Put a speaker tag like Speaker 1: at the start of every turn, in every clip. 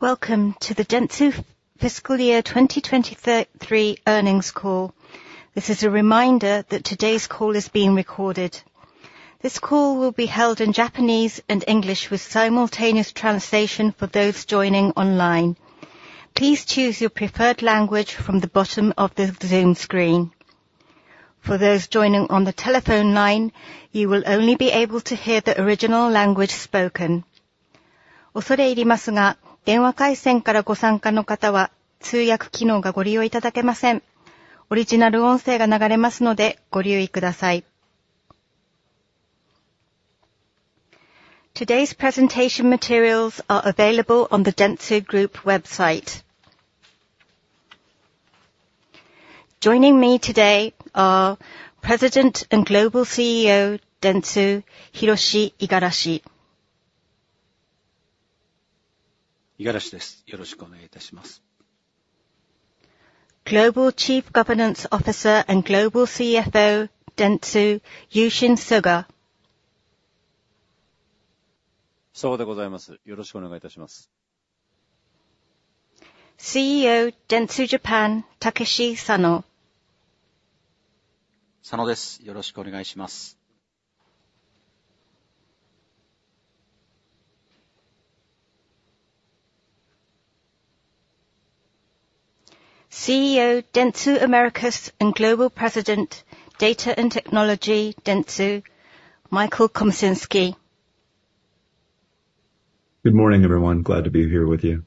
Speaker 1: Welcome to the Dentsu Fiscal Year 2023 earnings call. This is a reminder that today's call is being recorded. This call will be held in Japanese and English with simultaneous translation for those joining online. Please choose your preferred language from the bottom of the Zoom screen. For those joining on the telephone line, you will only be able to hear the original language spoken. 恐れ入りますが、電話回線からご参加の方は通訳機能がご利用いただけません。オリジナル音声が流れますのでご留意ください.
Speaker 2: Today's presentation materials are available on the Dentsu Group website. Joining me today are President and Global CEO Dentsu Hiroshi Igarashi.
Speaker 3: 五十嵐です。よろしくお願いいたします。
Speaker 2: Global Chief Governance Officer and Global CFO, Dentsu, Yushin Soga.
Speaker 3: 曽我でございます。よろしくお願いいたします。
Speaker 2: CEO Dentsu Japan Takeshi Sano.
Speaker 3: 佐野です。よろしくお願いします。
Speaker 2: CEO, dentsu Americas and Global President, Data and Technology, dentsu, Michael Komasinski.
Speaker 4: Good morning, everyone. Glad to be here with you.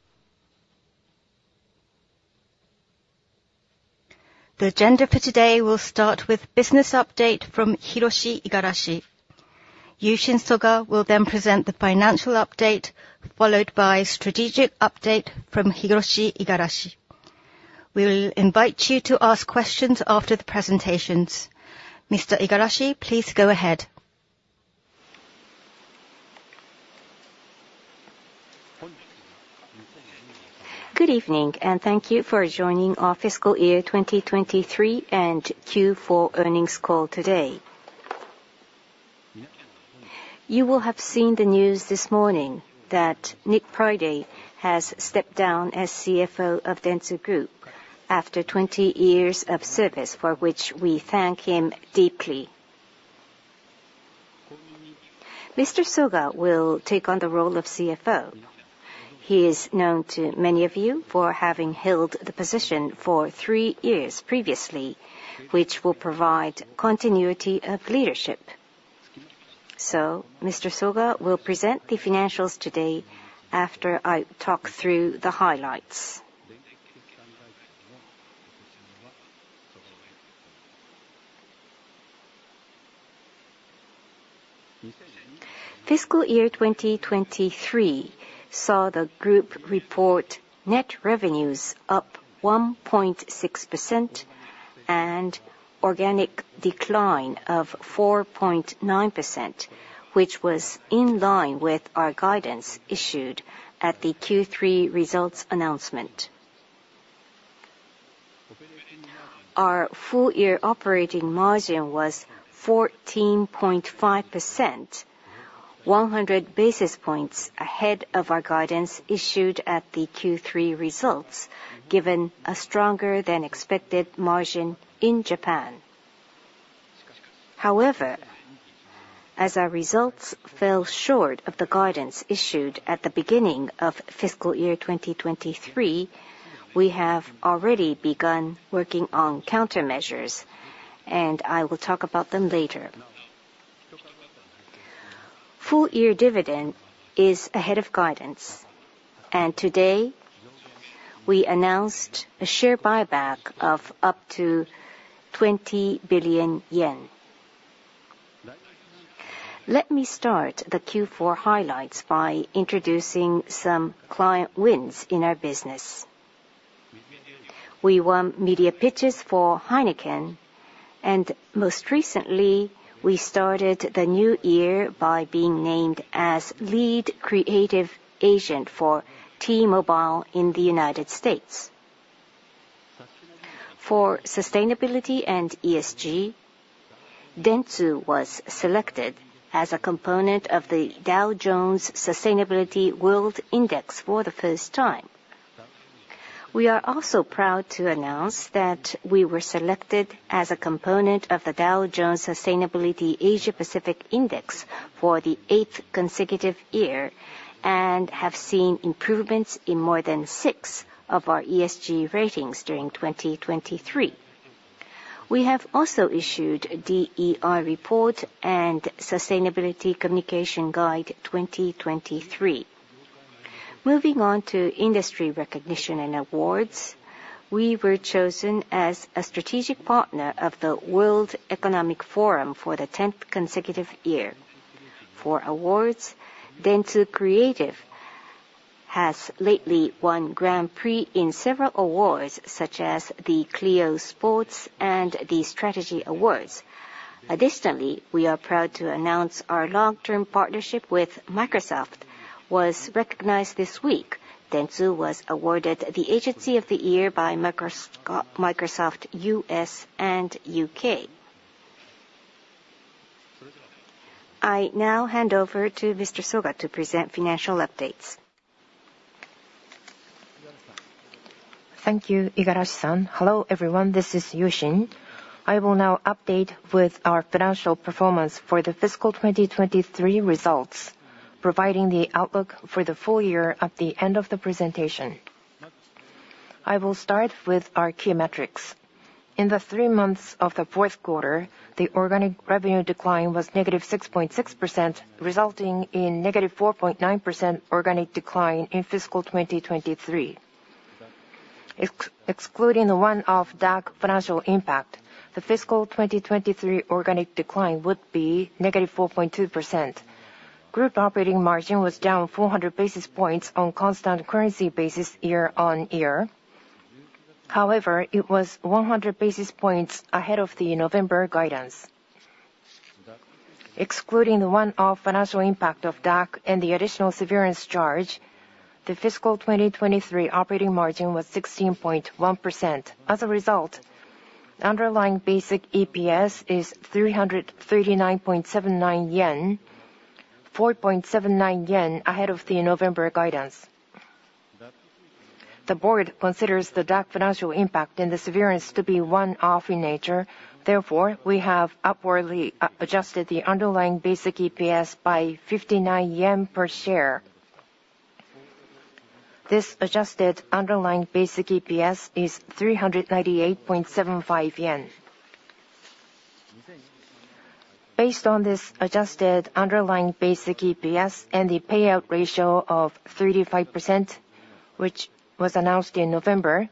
Speaker 1: The agenda for today will start with a business update from Hiroshi Igarashi. Yushin Soga will then present the financial update, followed by a strategic update from Hiroshi Igarashi. We will invite you to ask questions after the presentations. Mr. Igarashi, please go ahead.
Speaker 5: Good evening, and thank you for joining our Fiscal Year 2023 and Q4 earnings call today. You will have seen the news this morning that Nick Priday has stepped down as CFO of Dentsu Group after 20 years of service, for which we thank him deeply. Mr. Soga will take on the role of CFO. He is known to many of you for having held the position for 3 years previously, which will provide continuity of leadership. So, Mr. Soga will present the financials today after I talk through the highlights. Fiscal Year 2023 saw the group report net revenues up 1.6% and organic decline of 4.9%, which was in line with our guidance issued at the Q3 results announcement. Our full-year operating margin was 14.5%, 100 basis points ahead of our guidance issued at the Q3 results, given a stronger-than-expected margin in Japan. However, as our results fell short of the guidance issued at the beginning of Fiscal Year 2023, we have already begun working on countermeasures, and I will talk about them later. Full-year dividend is ahead of guidance, and today we announced a share buyback of up to JPY 20 billion. Let me start the Q4 highlights by introducing some client wins in our business. We won media pitches for Heineken, and most recently we started the new year by being named as lead creative agent for T-Mobile in the United States. For sustainability and ESG, Dentsu was selected as a component of the Dow Jones Sustainability World Index for the first time. We are also proud to announce that we were selected as a component of the Dow Jones Sustainability Asia Pacific Index for the eighth consecutive year and have seen improvements in more than six of our ESG ratings during 2023. We have also issued DER Report and Sustainability Communication Guide 2023. Moving on to industry recognition and awards, we were chosen as a strategic partner of the World Economic Forum for the tenth consecutive year. For awards, Dentsu Creative has lately won Grand Prix in several awards such as the Clio Sports and the Strategy Awards. Additionally, we are proud to announce our long-term partnership with Microsoft was recognized this week. Dentsu was awarded the Agency of the Year by Microsoft U.S. and U.K. I now hand over to Mr. Soga to present financial updates.
Speaker 3: Thank you, Igarashi-san. Hello, everyone. This is Yushin. I will now update with our financial performance for the Fiscal 2023 results, providing the outlook for the full year at the end of the presentation. I will start with our key metrics. In the three months of the fourth quarter, the organic revenue decline was -6.6%, resulting in -4.9% organic decline in Fiscal 2023. Excluding the one-off DAC financial impact, the Fiscal 2023 organic decline would be -4.2%. Group operating margin was down 400 basis points on constant currency basis year-over-year. However, it was 100 basis points ahead of the November guidance. Excluding the one-off financial impact of DAC and the additional severance charge, the Fiscal 2023 operating margin was 16.1%. As a result, the underlying basic EPS is 339.79 yen, 4.79 yen ahead of the November guidance. The board considers the DAC financial impact and the severance to be one-off in nature. Therefore, we have upwardly adjusted the underlying basic EPS by 59 yen per share. This adjusted underlying basic EPS is 398.75 yen. Based on this adjusted underlying basic EPS and the payout ratio of 35%, which was announced in November,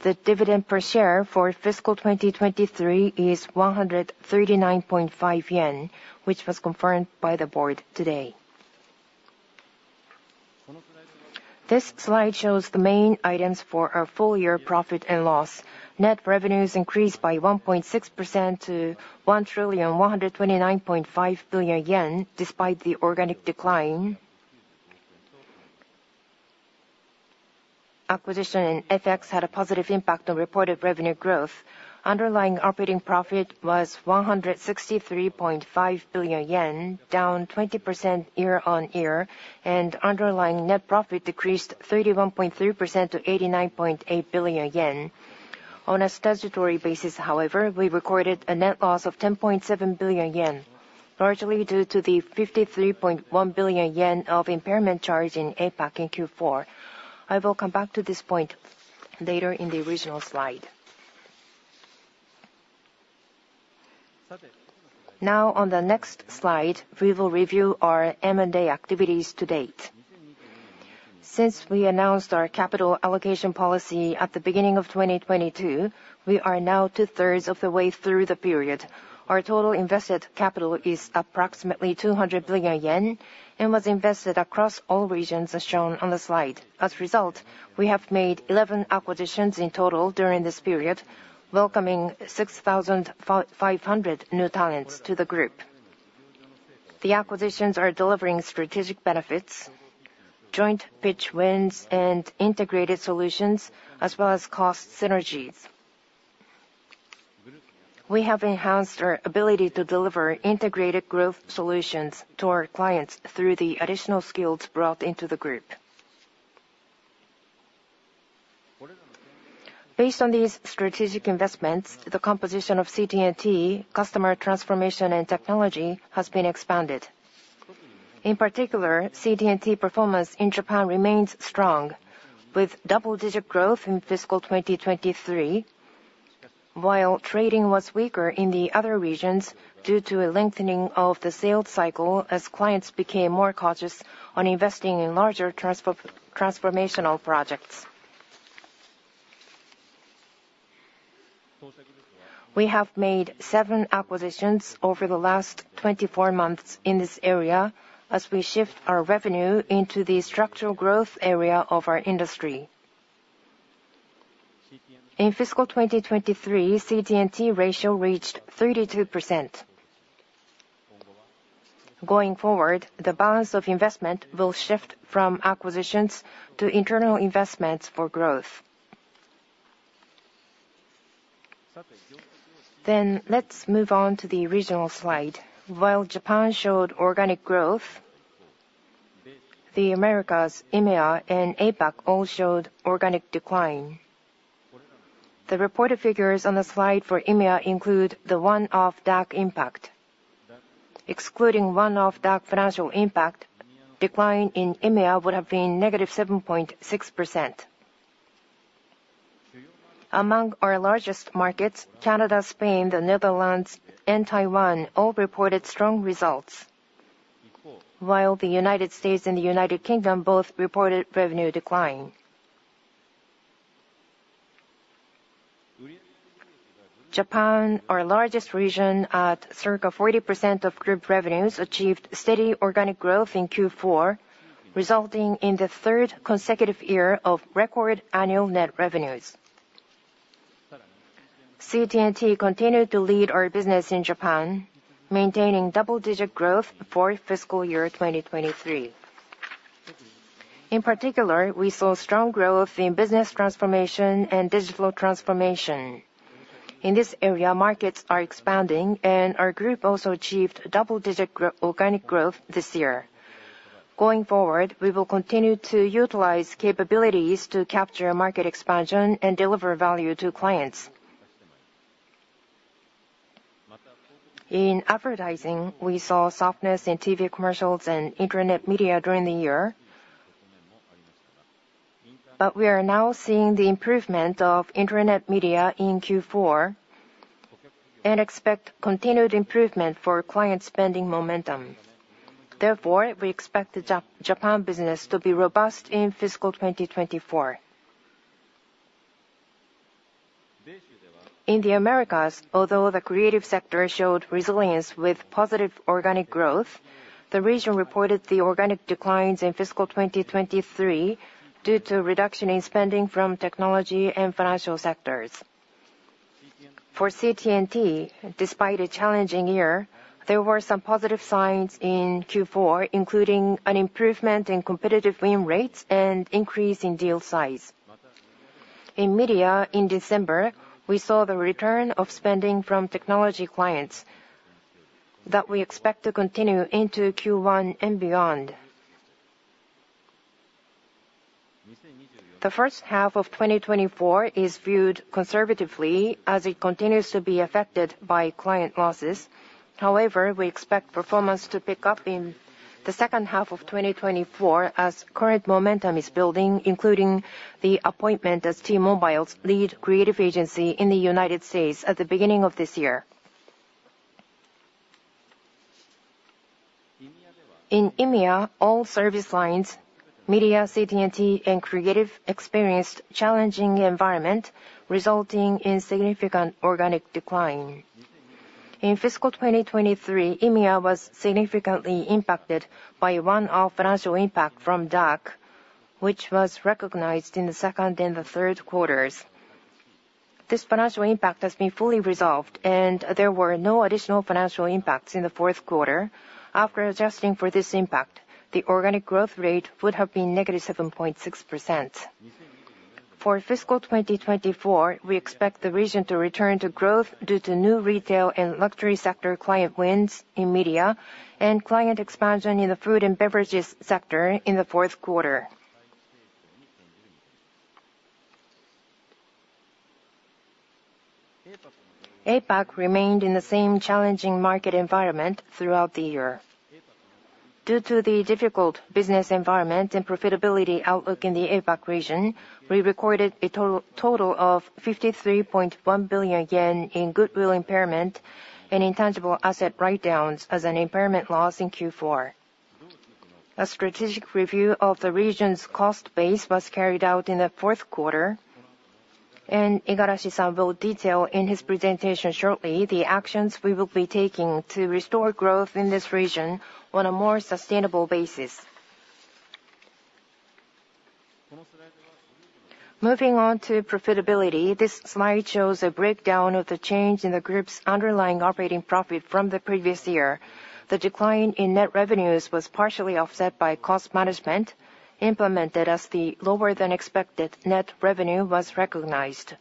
Speaker 3: the dividend per share for Fiscal 2023 is 139.50 yen, which was confirmed by the board today. This slide shows the main items for our full-year profit and loss. Net revenues increased by 1.6% to 1,129.5 billion yen despite the organic decline. Acquisition in FX had a positive impact on reported revenue growth. Underlying operating profit was 163.5 billion yen, down 20% year-on-year, and underlying net profit decreased 31.3% to 89.8 billion yen. On a statutory basis, however, we recorded a net loss of 10.7 billion yen, largely due to the 53.1 billion yen of impairment charge in APAC in Q4. I will come back to this point later in the original slide. Now, on the next slide, we will review our M&A activities to date. Since we announced our capital allocation policy at the beginning of 2022, we are now two-thirds of the way through the period. Our total invested capital is approximately 200 billion yen and was invested across all regions as shown on the slide. As a result, we have made 11 acquisitions in total during this period, welcoming 6,500 new talents to the group. The acquisitions are delivering strategic benefits, joint pitch wins, and integrated solutions, as well as cost synergies. We have enhanced our ability to deliver Integrated Growth Solutions to our clients through the additional skills brought into the group. Based on these strategic investments, the composition of CT&T, Customer Transformation and Technology, has been expanded. In particular, CT&T performance in Japan remains strong, with double-digit growth in Fiscal 2023, while trading was weaker in the other regions due to a lengthening of the sales cycle as clients became more cautious on investing in larger transformational projects. We have made seven acquisitions over the last 24 months in this area as we shift our revenue into the structural growth area of our industry. In Fiscal 2023, CT&T ratio reached 32%. Going forward, the balance of investment will shift from acquisitions to internal investments for growth. Then let's move on to the regional slide. While Japan showed organic growth, the Americas, IMEA, and APAC all showed organic decline. The reported figures on the slide for IMEA include the one-off DAC impact. Excluding one-off DAC financial impact, decline in IMEA would have been -7.6%. Among our largest markets, Canada, Spain, the Netherlands, and Taiwan all reported strong results, while the United States and the United Kingdom both reported revenue decline. Japan, our largest region at circa 40% of group revenues, achieved steady organic growth in Q4, resulting in the third consecutive year of record annual net revenues. CT&T continued to lead our business in Japan, maintaining double-digit growth for Fiscal Year 2023. In particular, we saw strong growth in business transformation and digital transformation. In this area, markets are expanding, and our group also achieved double-digit organic growth this year. Going forward, we will continue to utilize capabilities to capture market expansion and deliver value to clients. In advertising, we saw softness in TV commercials and internet media during the year, but we are now seeing the improvement of internet media in Q4 and expect continued improvement for client spending momentum. Therefore, we expect the Japan business to be robust in Fiscal 2024. In the Americas, although the creative sector showed resilience with positive organic growth, the region reported the organic declines in Fiscal 2023 due to reduction in spending from technology and financial sectors. For CT&T, despite a challenging year, there were some positive signs in Q4, including an improvement in competitive win rates and increase in deal size. In media, in December, we saw the return of spending from technology clients that we expect to continue into Q1 and beyond. The first half of 2024 is viewed conservatively as it continues to be affected by client losses. However, we expect performance to pick up in the second half of 2024 as current momentum is building, including the appointment as T-Mobile's lead creative agency in the United States at the beginning of this year. In IMEA, all service lines, media, CT&T, and creative experienced a challenging environment, resulting in significant organic decline. In Fiscal 2023, IMEA was significantly impacted by one-off financial impact from DAC, which was recognized in the second and the third quarters. This financial impact has been fully resolved, and there were no additional financial impacts in the fourth quarter. After adjusting for this impact, the organic growth rate would have been -7.6%. For Fiscal 2024, we expect the region to return to growth due to new retail and luxury sector client wins in media and client expansion in the food and beverages sector in the fourth quarter. APAC remained in the same challenging market environment throughout the year. Due to the difficult business environment and profitability outlook in the APAC region, we recorded a total of 53.1 billion yen in goodwill impairment and intangible asset write-downs as an impairment loss in Q4. A strategic review of the region's cost base was carried out in the fourth quarter, and Igarashi-san will detail in his presentation shortly the actions we will be taking to restore growth in this region on a more sustainable basis. Moving on to profitability, this slide shows a breakdown of the change in the group's underlying operating profit from the previous year. The decline in net revenues was partially offset by cost management implemented as the lower-than-expected net revenue was recognized.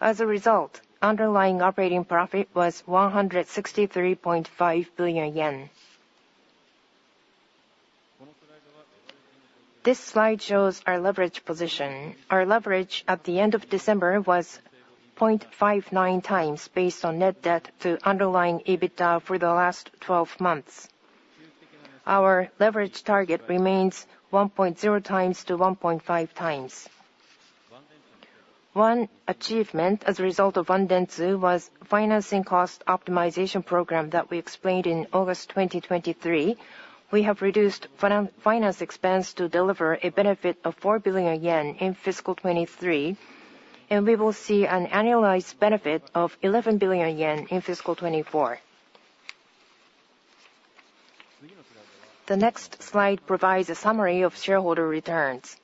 Speaker 3: As a result, underlying operating profit was 163.5 billion yen. This slide shows our leverage position. Our leverage at the end of December was 0.59 times based on net debt to underlying EBITDA for the last 12 months. Our leverage target remains 1.0-1.5 times. One achievement as a result of One Dentsu was the financing cost optimization program that we explained in August 2023. We have reduced finance expense to deliver a benefit of 4 billion yen in Fiscal 2023, and we will see an annualized benefit of 11 billion yen in Fiscal 2024. The next slide provides a summary of shareholder returns.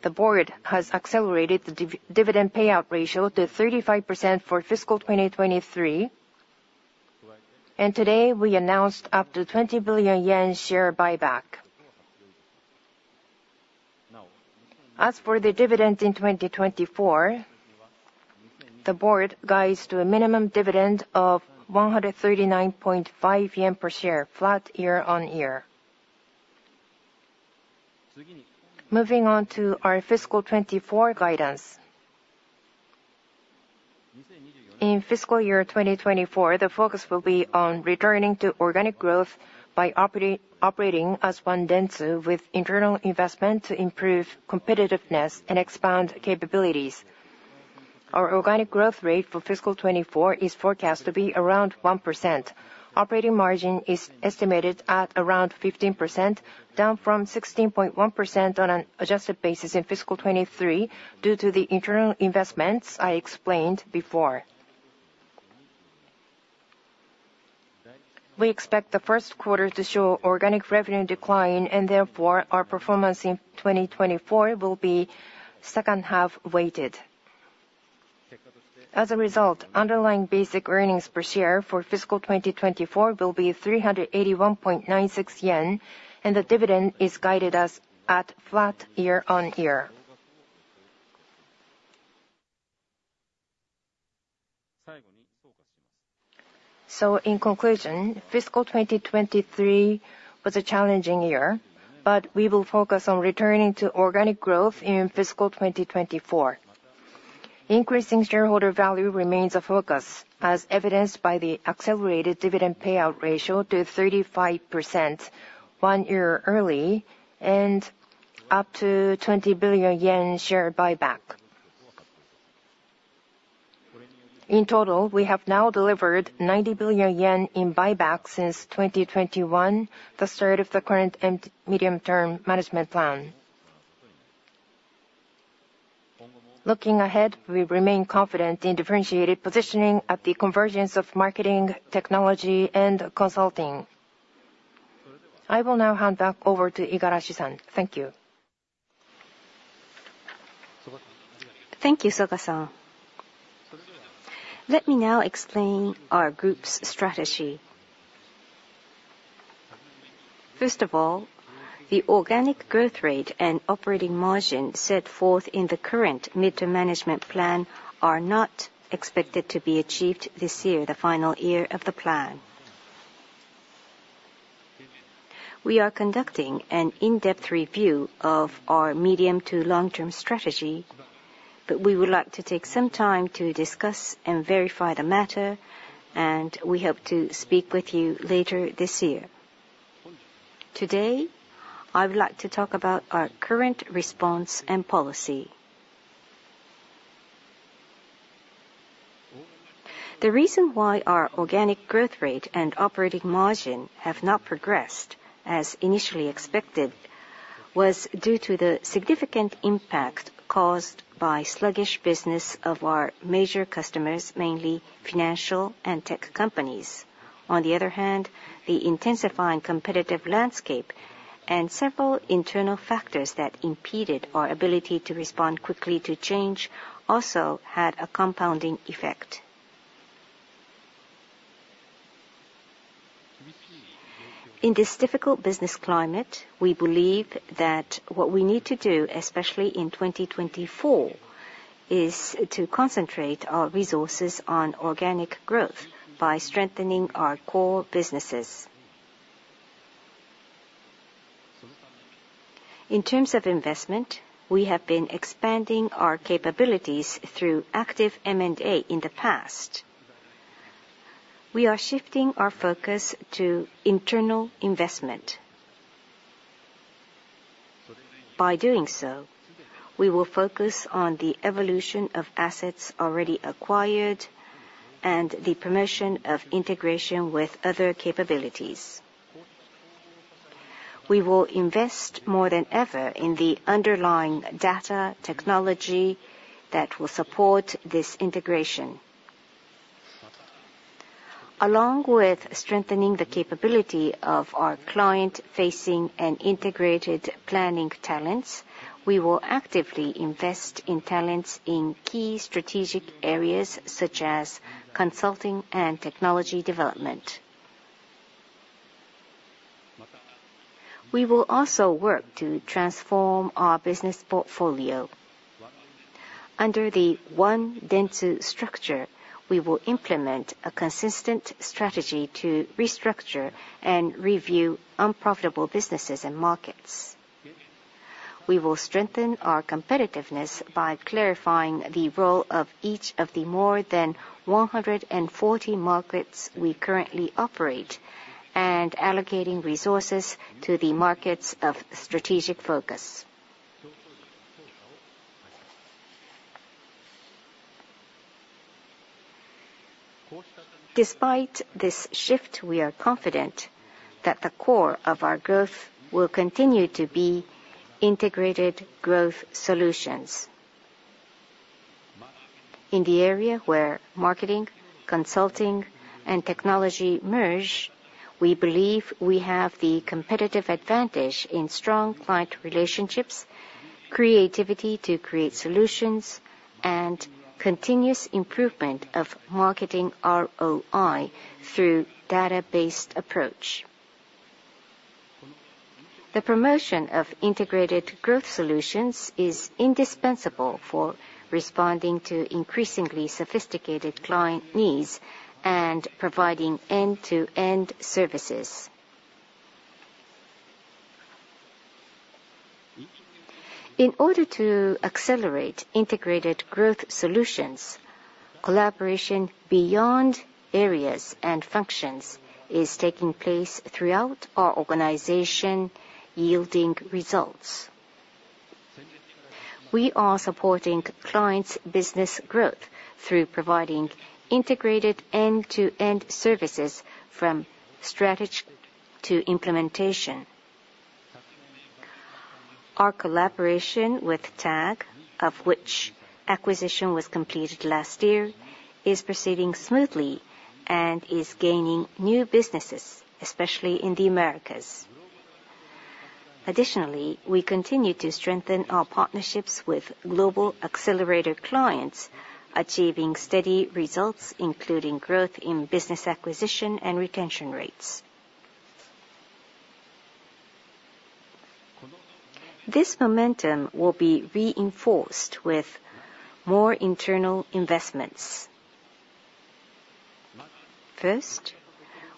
Speaker 3: The board has accelerated the dividend payout ratio to 35% for Fiscal 2023, and today we announced up to 20 billion yen share buyback. As for the dividend in 2024, the board guides to a minimum dividend of 139.5 yen per share, flat year-on-year. Moving on to our Fiscal 2024 guidance. In Fiscal Year 2024, the focus will be on returning to organic growth by operating as One Dentsu with internal investment to improve competitiveness and expand capabilities. Our organic growth rate for Fiscal 2024 is forecast to be around 1%. Operating margin is estimated at around 15%, down from 16.1% on an adjusted basis in Fiscal 2023 due to the internal investments I explained before. We expect the first quarter to show organic revenue decline, and therefore, our performance in 2024 will be second-half weighted. As a result, underlying basic earnings per share for Fiscal 2024 will be 381.96 yen, and the dividend is guided at flat year on year. So, in conclusion, Fiscal 2023 was a challenging year, but we will focus on returning to organic growth in Fiscal 2024. Increasing shareholder value remains a focus, as evidenced by the accelerated dividend payout ratio to 35% one year early and up to 20 billion yen share buyback. In total, we have now delivered 90 billion yen in buyback since 2021, the start of the current medium-term management plan. Looking ahead, we remain confident in differentiated positioning at the convergence of marketing, technology, and consulting. I will now hand back over to Igarashi-san. Thank you. Thank you, Soga-san. Let me now explain our group's strategy. First of all, the organic growth rate and operating margin set forth in the current mid-term management plan are not expected to be achieved this year, the final year of the plan. We are conducting an in-depth review of our medium to long-term strategy, but we would like to take some time to discuss and verify the matter, and we hope to speak with you later this year. Today, I would like to talk about our current response and policy. The reason why our organic growth rate and operating margin have not progressed as initially expected was due to the significant impact caused by sluggish business of our major customers, mainly financial and tech companies. On the other hand, the intensifying competitive landscape and several internal factors that impeded our ability to respond quickly to change also had a compounding effect. In this difficult business climate, we believe that what we need to do, especially in 2024, is to concentrate our resources on organic growth by strengthening our core businesses. In terms of investment, we have been expanding our capabilities through active M&A in the past. We are shifting our focus to internal investment. By doing so, we will focus on the evolution of assets already acquired and the promotion of integration with other capabilities. We will invest more than ever in the underlying data technology that will support this integration. Along with strengthening the capability of our client-facing and integrated planning talents, we will actively invest in talents in key strategic areas such as consulting and technology development. We will also work to transform our business portfolio. Under the One Dentsu structure, we will implement a consistent strategy to restructure and review unprofitable businesses and markets. We will strengthen our competitiveness by clarifying the role of each of the more than 140 markets we currently operate and allocating resources to the markets of strategic focus. Despite this shift, we are confident that the core of our growth will continue to be Integrated Growth Solutions. In the area where marketing, consulting, and technology merge, we believe we have the competitive advantage in strong client relationships, creativity to create solutions, and continuous improvement of marketing ROI through a database approach. The promotion of Integrated Growth Solutions is indispensable for responding to increasingly sophisticated client needs and providing end-to-end services. In order to accelerate Integrated Growth Solutions, collaboration beyond areas and functions is taking place throughout our organization, yielding results. We are supporting clients' business growth through providing integrated end-to-end services from strategy to implementation. Our collaboration with TAG, of which acquisition was completed last year, is proceeding smoothly and is gaining new businesses, especially in the Americas. Additionally, we continue to strengthen our partnerships with global accelerator clients, achieving steady results, including growth in business acquisition and retention rates. This momentum will be reinforced with more internal investments. First,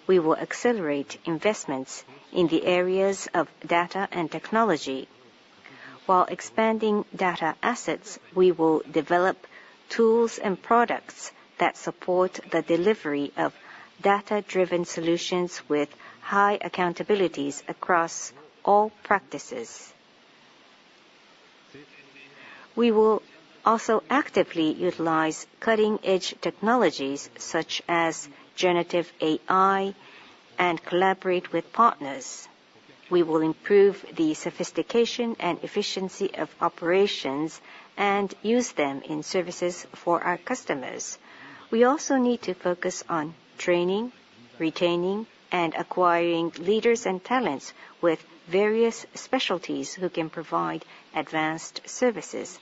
Speaker 3: we will accelerate investments in the areas of data and technology. While expanding data assets, we will develop tools and products that support the delivery of data-driven solutions with high accountabilities across all practices. We will also actively utilize cutting-edge technologies such as generative AI and collaborate with partners. We will improve the sophistication and efficiency of operations and use them in services for our customers. We also need to focus on training, retaining, and acquiring leaders and talents with various specialties who can provide advanced services.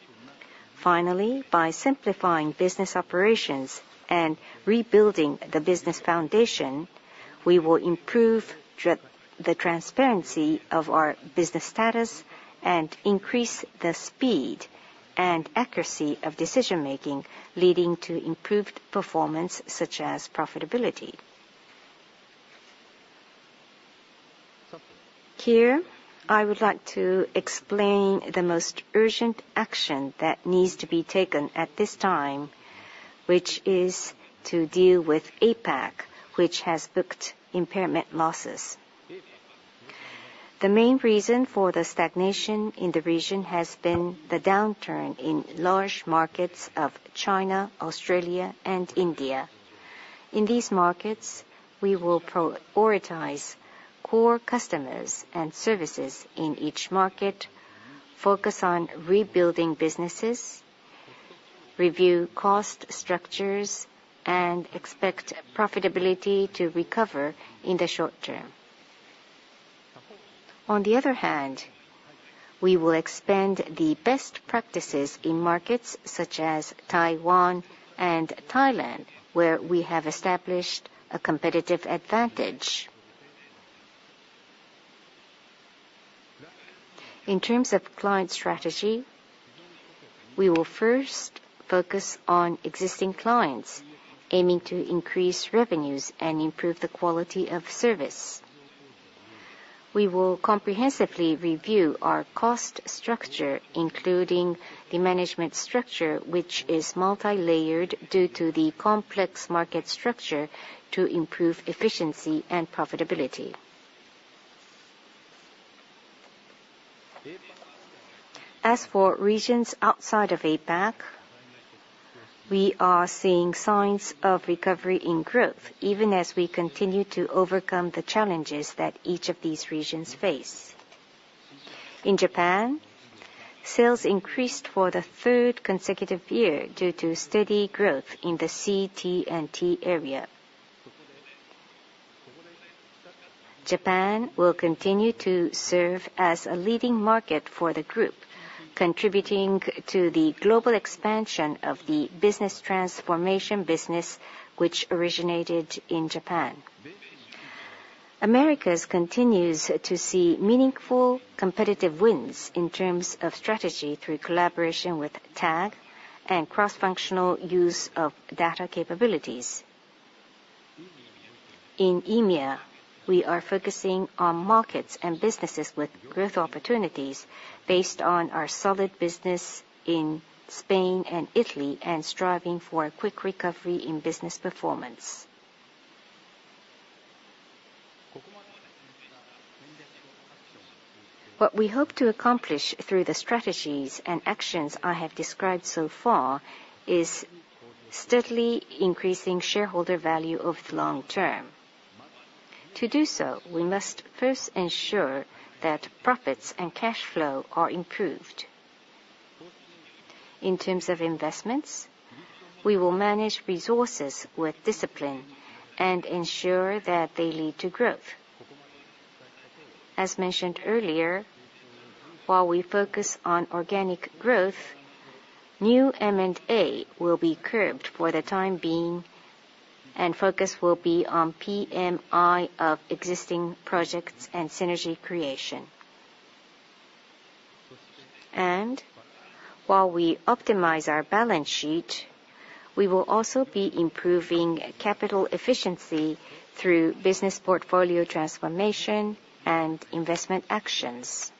Speaker 3: Finally, by simplifying business operations and rebuilding the business foundation, we will improve the transparency of our business status and increase the speed and accuracy of decision-making, leading to improved performance such as profitability. Here, I would like to explain the most urgent action that needs to be taken at this time, which is to deal with APAC, which has booked impairment losses. The main reason for the stagnation in the region has been the downturn in large markets of China, Australia, and India. In these markets, we will prioritize core customers and services in each market, focus on rebuilding businesses, review cost structures, and expect profitability to recover in the short term. On the other hand, we will expand the best practices in markets such as Taiwan and Thailand, where we have established a competitive advantage. In terms of client strategy, we will first focus on existing clients, aiming to increase revenues and improve the quality of service. We will comprehensively review our cost structure, including the management structure, which is multi-layered due to the complex market structure, to improve efficiency and profitability. As for regions outside of APAC, we are seeing signs of recovery in growth, even as we continue to overcome the challenges that each of these regions face. In Japan, sales increased for the third consecutive year due to steady growth in the CT&T area. Japan will continue to serve as a leading market for the group, contributing to the global expansion of the business transformation business, which originated in Japan. Americas continues to see meaningful competitive wins in terms of strategy through collaboration with TAG and cross-functional use of data capabilities. In EMEA, we are focusing on markets and businesses with growth opportunities based on our solid business in Spain and Italy and striving for quick recovery in business performance. What we hope to accomplish through the strategies and actions I have described so far is steadily increasing shareholder value over the long term. To do so, we must first ensure that profits and cash flow are improved. In terms of investments, we will manage resources with discipline and ensure that they lead to growth. As mentioned earlier, while we focus on organic growth, new M&A will be curbed for the time being, and focus will be on PMI of existing projects and synergy creation. And while we optimize our balance sheet, we will also be improving capital efficiency through business portfolio transformation and investment actions.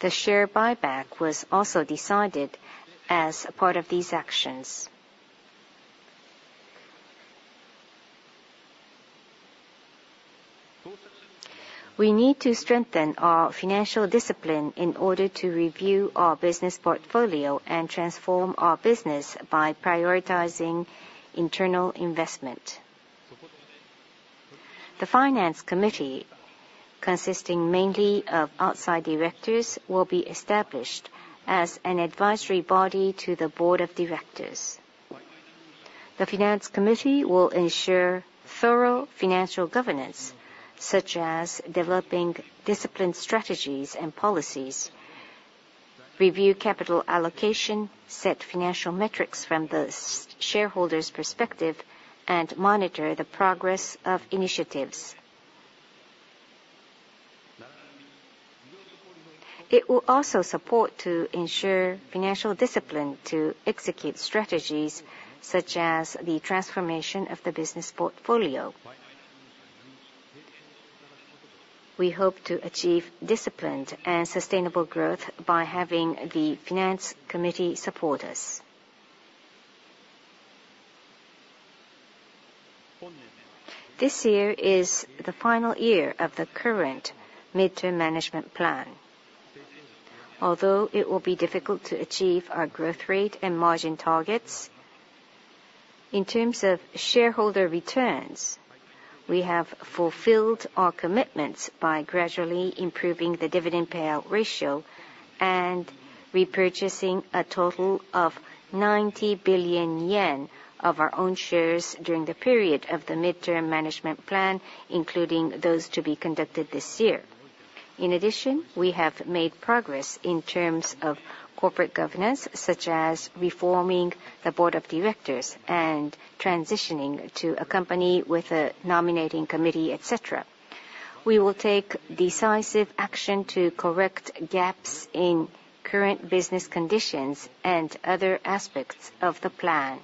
Speaker 3: The share buyback was also decided as part of these actions. We need to strengthen our financial discipline in order to review our business portfolio and transform our business by prioritizing internal investment. The finance committee, consisting mainly of outside directors, will be established as an advisory body to the board of directors. The finance committee will ensure thorough financial governance, such as developing disciplined strategies and policies, review capital allocation, set financial metrics from the shareholders' perspective, and monitor the progress of initiatives. It will also support to ensure financial discipline to execute strategies such as the transformation of the business portfolio. We hope to achieve disciplined and sustainable growth by having the finance committee support us. This year is the final year of the current mid-term management plan. Although it will be difficult to achieve our growth rate and margin targets, in terms of shareholder returns, we have fulfilled our commitments by gradually improving the dividend payout ratio and repurchasing a total of 90 billion yen of our own shares during the period of the mid-term management plan, including those to be conducted this year. In addition, we have made progress in terms of corporate governance, such as reforming the board of directors and transitioning to a company with a nominating committee, etc. We will take decisive action to correct gaps in current business conditions and other aspects of the plan.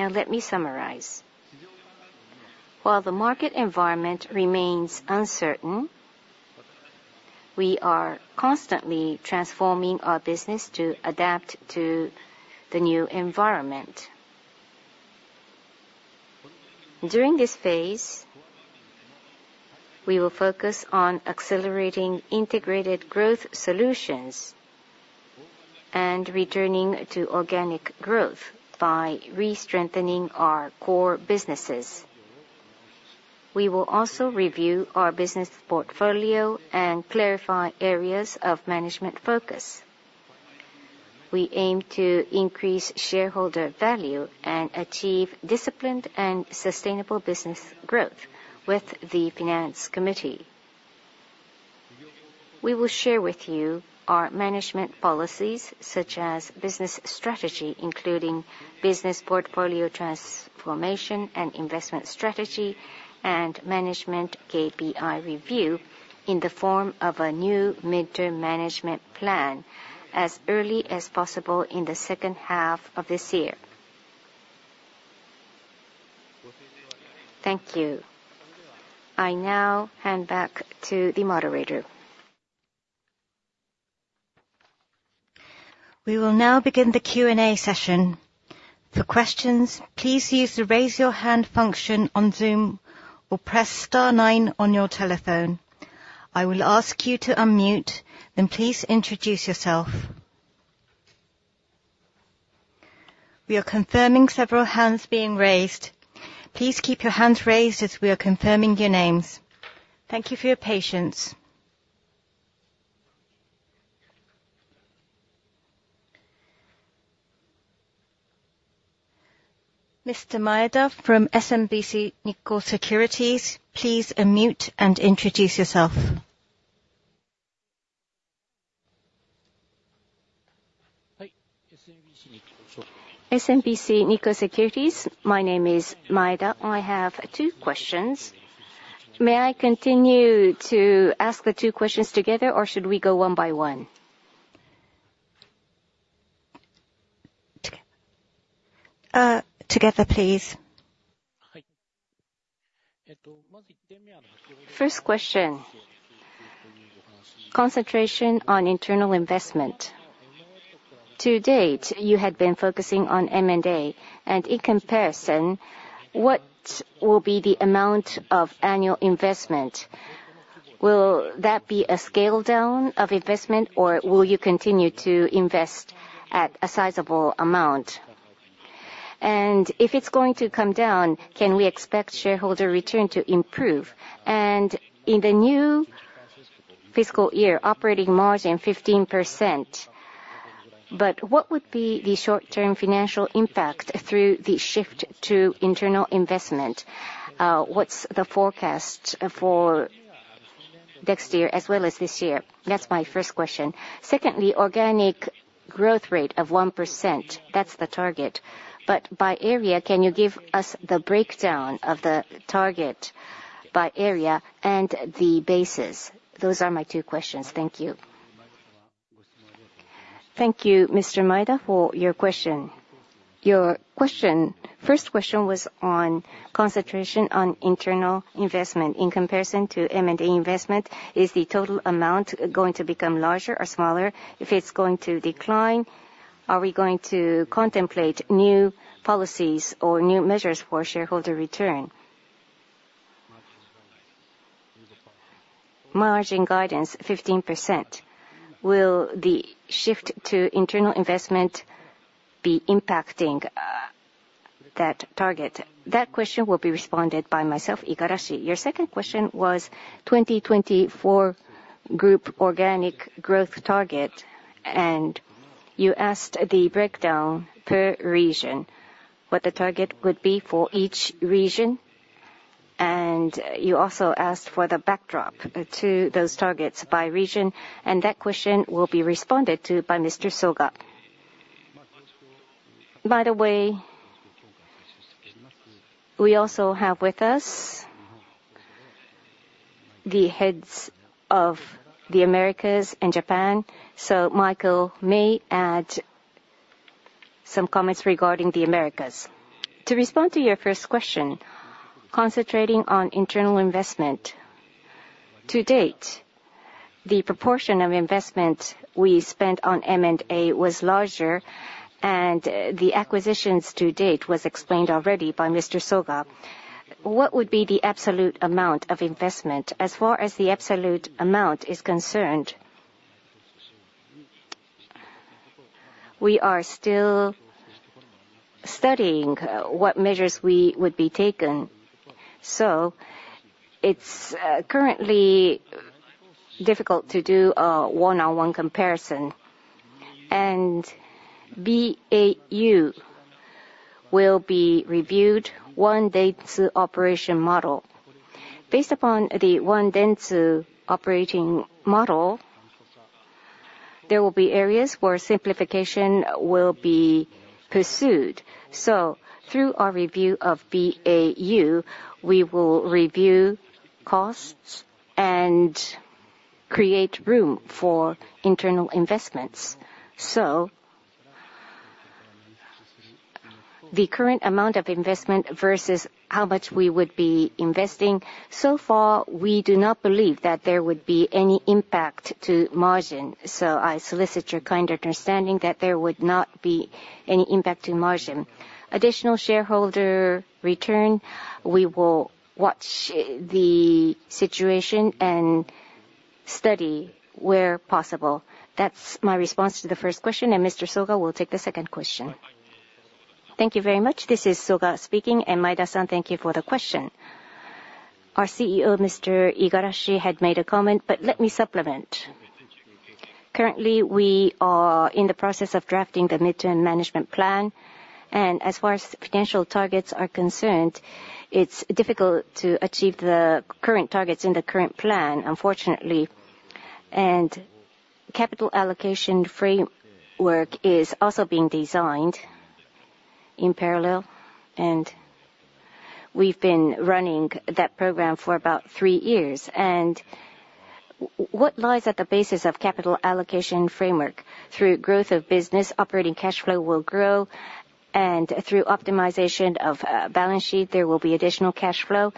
Speaker 3: Now, let me summarize. While the market environment remains uncertain, we are constantly transforming our business to adapt to the new environment. During this phase, we will focus on accelerating Integrated Growth Solutions and returning to organic growth by re-strengthening our core businesses. We will also review our business portfolio and clarify areas of management focus. We aim to increase shareholder value and achieve disciplined and sustainable business growth with the finance committee. We will share with you our management policies, such as business strategy, including business portfolio transformation and investment strategy and management KPI review, in the form of a new mid-term management plan as early as possible in the second half of this year. Thank you. I now hand back to the moderator.
Speaker 1: We will now begin the Q&A session. For questions, please use the raise your hand function on Zoom or press star nine on your telephone. I will ask you to unmute, then please introduce yourself. We are confirming several hands being raised. Please keep your hands raised as we are confirming your names. Thank you for your patience. Mr. Maeda from SMBC Nikko Securities, please unmute and introduce yourself. SMBC Nikko Securities.
Speaker 6: My name is Maeda. I have two questions. May I continue to ask the two questions together, or should we go one by one?
Speaker 3: Together, please.
Speaker 6: First question. Concentration on internal investment. To date, you had been focusing on M&A, and in comparison, what will be the amount of annual investment? Will that be a scale-down of investment, or will you continue to invest at a sizable amount? And if it's going to come down, can we expect shareholder return to improve? And in the new fiscal year, operating margin 15%. But what would be the short-term financial impact through the shift to internal investment? What's the forecast for next year as well as this year? That's my first question. Secondly, organic growth rate of 1%. That's the target. But by area, can you give us the breakdown of the target by area and the bases? Those are my two questions. Thank you.
Speaker 5: Thank you, Mr. Maeda, for your question. Your first question was on concentration on internal investment. In comparison to M&A investment, is the total amount going to become larger or smaller? If it's going to decline, are we going to contemplate new policies or new measures for shareholder return? Margin guidance 15%. Will the shift to internal investment be impacting that target? That question will be responded by myself, Igarashi. Your second question was 2024 group organic growth target, and you asked the breakdown per region, what the target would be for each region. And you also asked for the backdrop to those targets by region, and that question will be responded to by Mr. Soga. By the way, we also have with us the heads of the Americas and Japan, so Michael may add some comments regarding the Americas. To respond to your first question, concentrating on internal investment. To date, the proportion of investment we spent on M&A was larger, and the acquisitions to date were explained already by Mr. Soga. What would be the absolute amount of investment? As far as the absolute amount is concerned, we are still studying what measures we would be taking. So it's currently difficult to do a one-on-one comparison. And BAU will be reviewed [in the] One Dentsu operating model. Based upon the One Dentsu operating model, there will be areas where simplification will be pursued. So through our review of BAU, we will review costs and create room for internal investments. So the current amount of investment versus how much we would be investing, so far we do not believe that there would be any impact to margin. So I solicit your kind understanding that there would not be any impact to margin. Additional shareholder return, we will watch the situation and study where possible. That's my response to the first question, and Mr. Soga will take the second question.
Speaker 3: Thank you very much. This is Soga speaking, and Maeda-san, thank you for the question. Our CEO, Mr. Igarashi, had made a comment, but let me supplement. Currently, we are in the process of drafting the mid-term management plan. As far as financial targets are concerned, it's difficult to achieve the current targets in the current plan, unfortunately. Capital allocation framework is also being designed in parallel. We've been running that program for about three years. What lies at the basis of capital allocation framework? Through growth of business, operating cash flow will grow. Through optimization of balance sheet, there will be additional cash flow.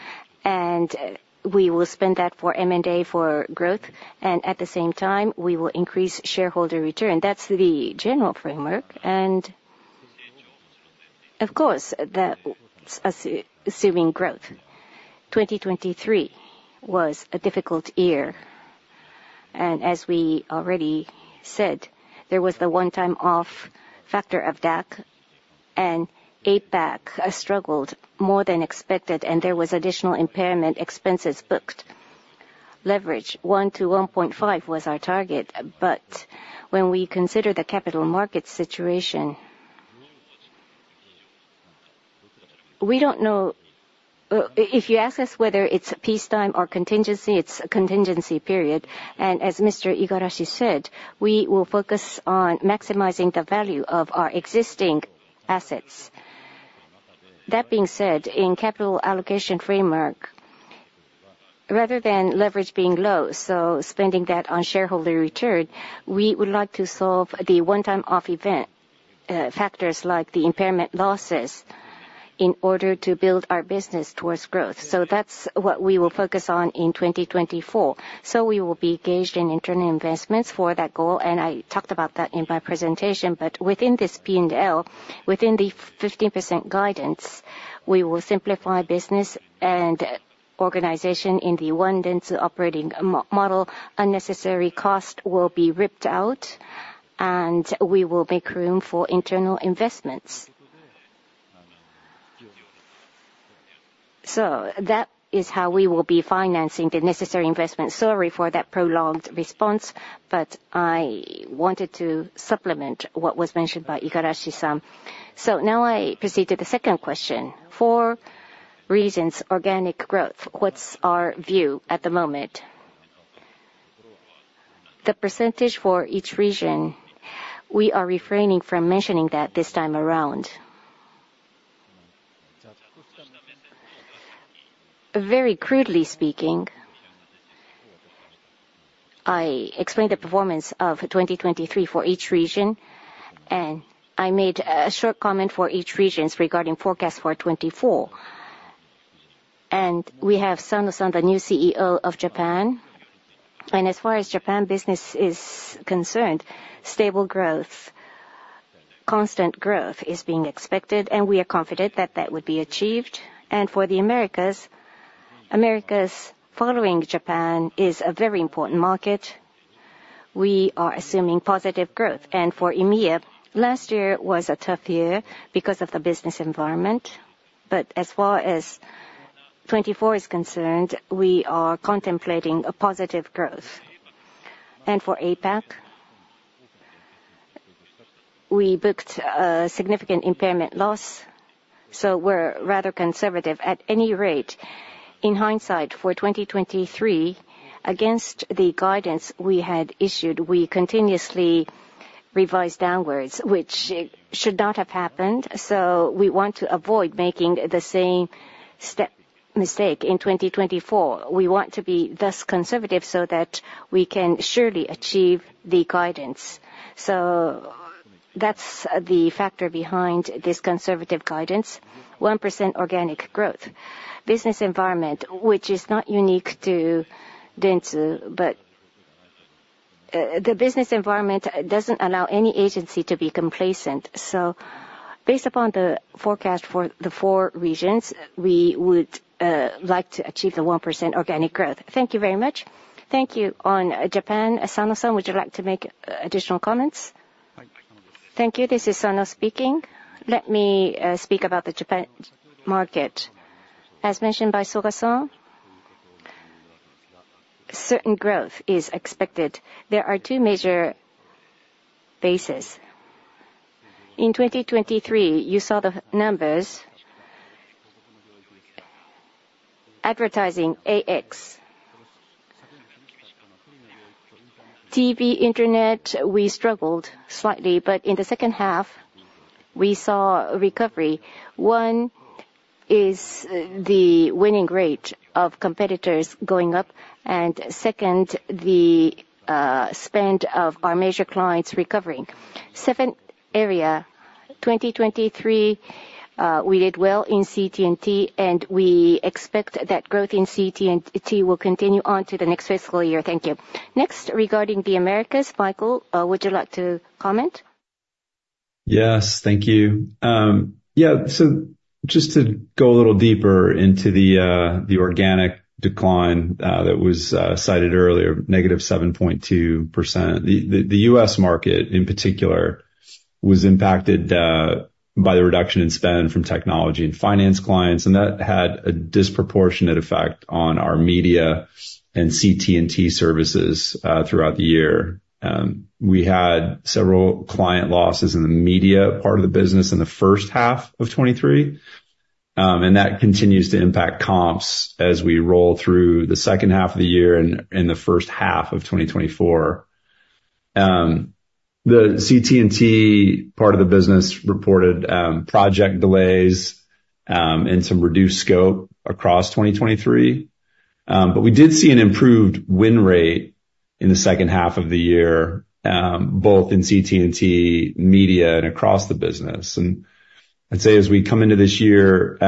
Speaker 3: We will spend that for M&A for growth. At the same time, we will increase shareholder return. That's the general framework. Of course, assuming growth, 2023 was a difficult year. As we already said, there was the one-off factor of DAC, and APAC struggled more than expected, and there was additional impairment expenses booked. Leverage 1-1.5 was our target. When we consider the capital markets situation, we don't know if you ask us whether it's peacetime or contingency, it's a contingency period. As Mr. Igarashi said, we will focus on maximizing the value of our existing assets. That being said, in capital allocation framework, rather than leverage being low, so spending that on shareholder return, we would like to solve the one-time off event factors like the impairment losses in order to build our business towards growth. So that's what we will focus on in 2024. So we will be engaged in internal investments for that goal. And I talked about that in my presentation. But within this P&L, within the 15% guidance, we will simplify business and organization in the One Dentsu operating model. Unnecessary cost will be ripped out, and we will make room for internal investments. So that is how we will be financing the necessary investments. Sorry for that prolonged response, but I wanted to supplement what was mentioned by Igarashi-san. So now I proceed to the second question. For reasons, organic growth, what's our view at the moment?
Speaker 5: The percentage for each region, we are refraining from mentioning that this time around. Very crudely speaking, I explained the performance of 2023 for each region, and I made a short comment for each region regarding forecast for 2024. We have Sano-san, the new CEO of Japan. As far as Japan business is concerned, stable growth, constant growth is being expected, and we are confident that that would be achieved. For the Americas, Americas following Japan is a very important market. We are assuming positive growth. For EMEA, last year was a tough year because of the business environment. But as far as 2024 is concerned, we are contemplating a positive growth. For APAC, we booked a significant impairment loss. We're rather conservative at any rate. In hindsight, for 2023, against the guidance we had issued, we continuously revised downwards, which should not have happened. So we want to avoid making the same mistake in 2024. We want to be thus conservative so that we can surely achieve the guidance. So that's the factor behind this conservative guidance, 1% organic growth. Business environment, which is not unique to Dentsu, but the business environment doesn't allow any agency to be complacent. So based upon the forecast for the four regions, we would like to achieve the 1% organic growth. Thank you very much. Thank you on Japan. Sano-san, would you like to make additional comments? Thank you. This is Sano speaking. Let me speak about the Japan market. As mentioned by Soga-san, certain growth is expected. There are two major bases. In 2023, you saw the numbers. Advertising AX. TV, internet, we struggled slightly, but in the second half, we saw recovery. One is the winning rate of competitors going up, and second, the spend of our major clients recovering. Seventh area, 2023, we did well in CT&T, and we expect that growth in CT&T will continue on to the next fiscal year. Thank you. Next, regarding the Americas, Michael, would you like to comment?
Speaker 4: Yes, thank you. Yeah, so just to go a little deeper into the organic decline that was cited earlier, -7.2%. The U.S. market in particular was impacted by the reduction in spend from technology and finance clients, and that had a disproportionate effect on our media and CT&T services throughout the year. We had several client losses in the media part of the business in the first half of 2023, and that continues to impact comps as we roll through the second half of the year and the first half of 2024. The CT&T part of the business reported project delays and some reduced scope across 2023. But we did see an improved win rate in the second half of the year, both in CT&T, media, and across the business. And I'd say as we come into this year,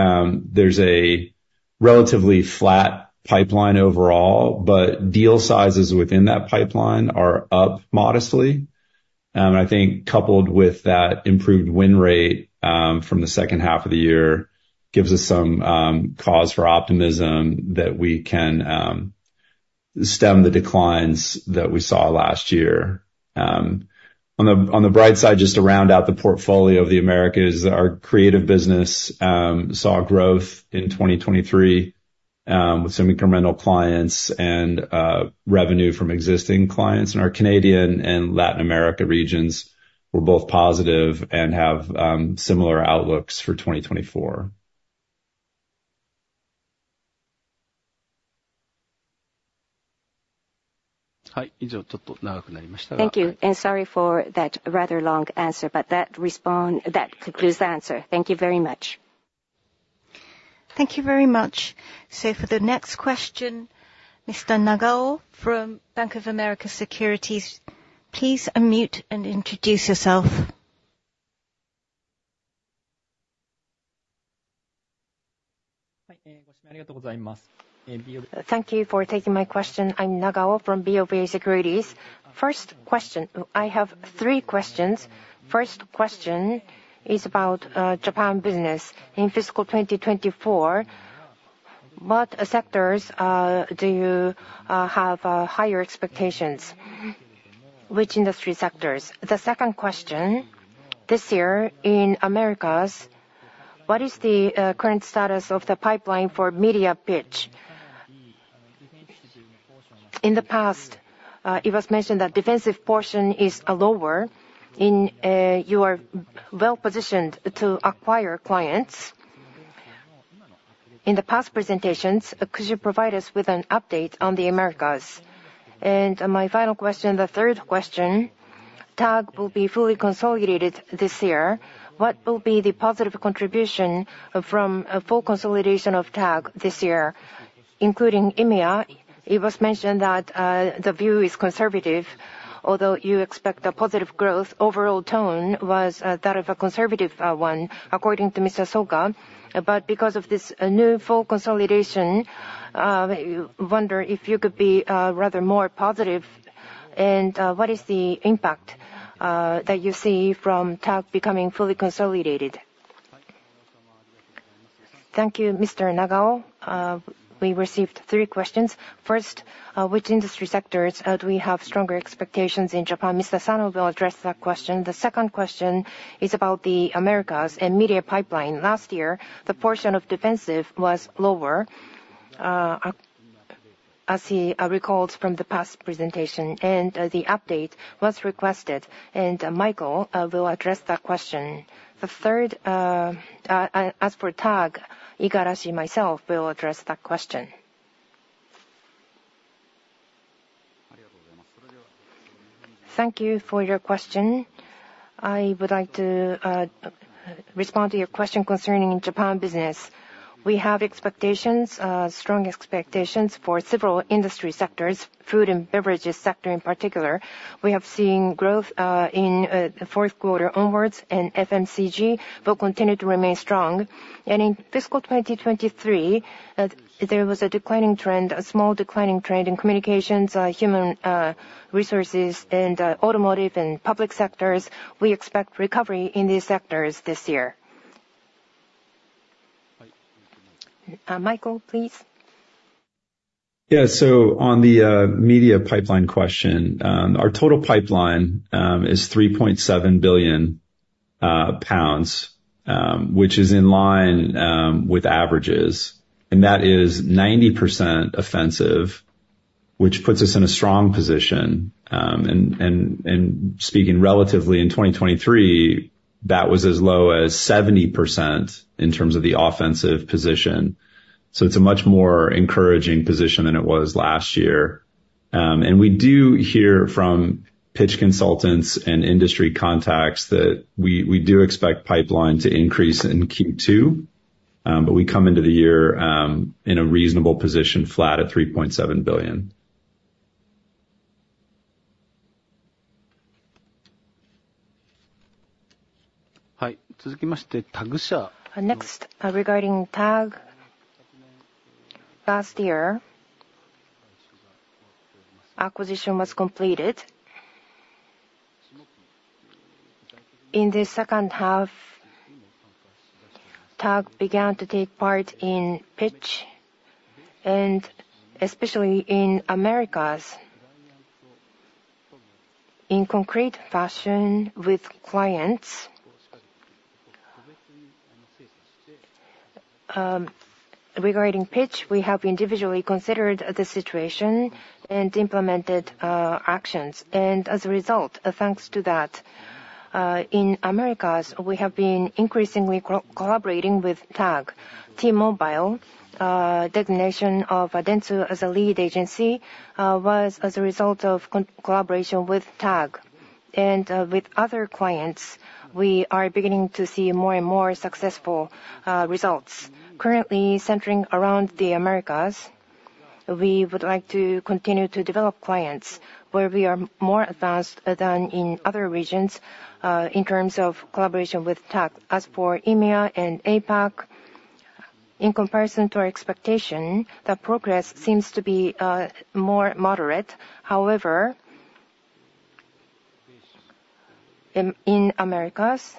Speaker 4: there's a relatively flat pipeline overall, but deal sizes within that pipeline are up modestly. And I think coupled with that improved win rate from the second half of the year gives us some cause for optimism that we can stem the declines that we saw last year. On the bright side, just to round out the portfolio of the Americas, our creative business saw growth in 2023 with some incremental clients and revenue from existing clients. Our Canadian and Latin America regions were both positive and have similar outlooks for 2024. はい、以上。ちょっと長くなりましたが。
Speaker 6: Thank you. And sorry for that rather long answer, but that concludes the answer. Thank you very much.
Speaker 1: Thank you very much. So for the next question, Mr. Nagao from Bank of America Securities, please unmute and introduce yourself. はい、ご質問ありがとうございます。
Speaker 7: Thank you for taking my question. I'm Nagao from BofA Securities. First question, I have three questions. First question is about Japan business. In fiscal 2024, what sectors do you have higher expectations? Which industry sectors? The second question, this year in Americas, what is the current status of the pipeline for media pitch?
Speaker 5: In the past, it was mentioned that the defensive portion is lower. You are well-positioned to acquire clients. In the past presentations, could you provide us with an update on the Americas? And my final question, the third question, TAG will be fully consolidated this year. What will be the positive contribution from full consolidation of TAG this year, including EMEA? It was mentioned that the view is conservative, although you expect a positive growth. Overall tone was that of a conservative one, according to Mr. Soga. But because of this new full consolidation, I wonder if you could be rather more positive. And what is the impact that you see from TAG becoming fully consolidated? Thank you, Mr. Nagao. We received three questions. First, which industry sectors do we have stronger expectations in Japan? Mr. Soga will address that question. The second question is about the Americas and media pipeline. Last year, the portion of defensive was lower, as he recalls from the past presentation. The update was requested. Michael will address that question. The third, as for TAG, Igarashi myself will address that question. ありがとうございます。それでは。Thank you for your question. I would like to respond to your question concerning Japan business. We have expectations, strong expectations for several industry sectors, food and beverages sector in particular. We have seen growth in the fourth quarter onward, and FMCG will continue to remain strong. In fiscal 2023, there was a declining trend, a small declining trend in communications, human resources, and automotive and public sectors. We expect recovery in these sectors this year. Michael, please.
Speaker 4: Yeah, so on the media pipeline question, our total pipeline is 3.7 billion pounds, which is in line with averages. That is 90% offensive, which puts us in a strong position. Speaking relatively, in 2023, that was as low as 70% in terms of the offensive position. It's a much more encouraging position than it was last year. We do hear from pitch consultants and industry contacts that we do expect pipeline to increase in Q2, but we come into the year in a reasonable position, flat at 3.7 billion. はい、続きましてタグ社。
Speaker 5: Next, regarding TAG. Last year, acquisition was completed. In the second half, TAG began to take part in pitch, and especially in Americas, in concrete fashion with clients. Regarding pitch, we have individually considered the situation and implemented actions. As a result, thanks to that, in Americas, we have been increasingly collaborating with TAG. T-Mobile, designation of Dentsu as a lead agency, was as a result of collaboration with TAG. With other clients, we are beginning to see more and more successful results. Currently, centering around the Americas, we would like to continue to develop clients where we are more advanced than in other regions in terms of collaboration with TAG. As for EMEA and APAC, in comparison to our expectation, the progress seems to be more moderate. However, in Americas,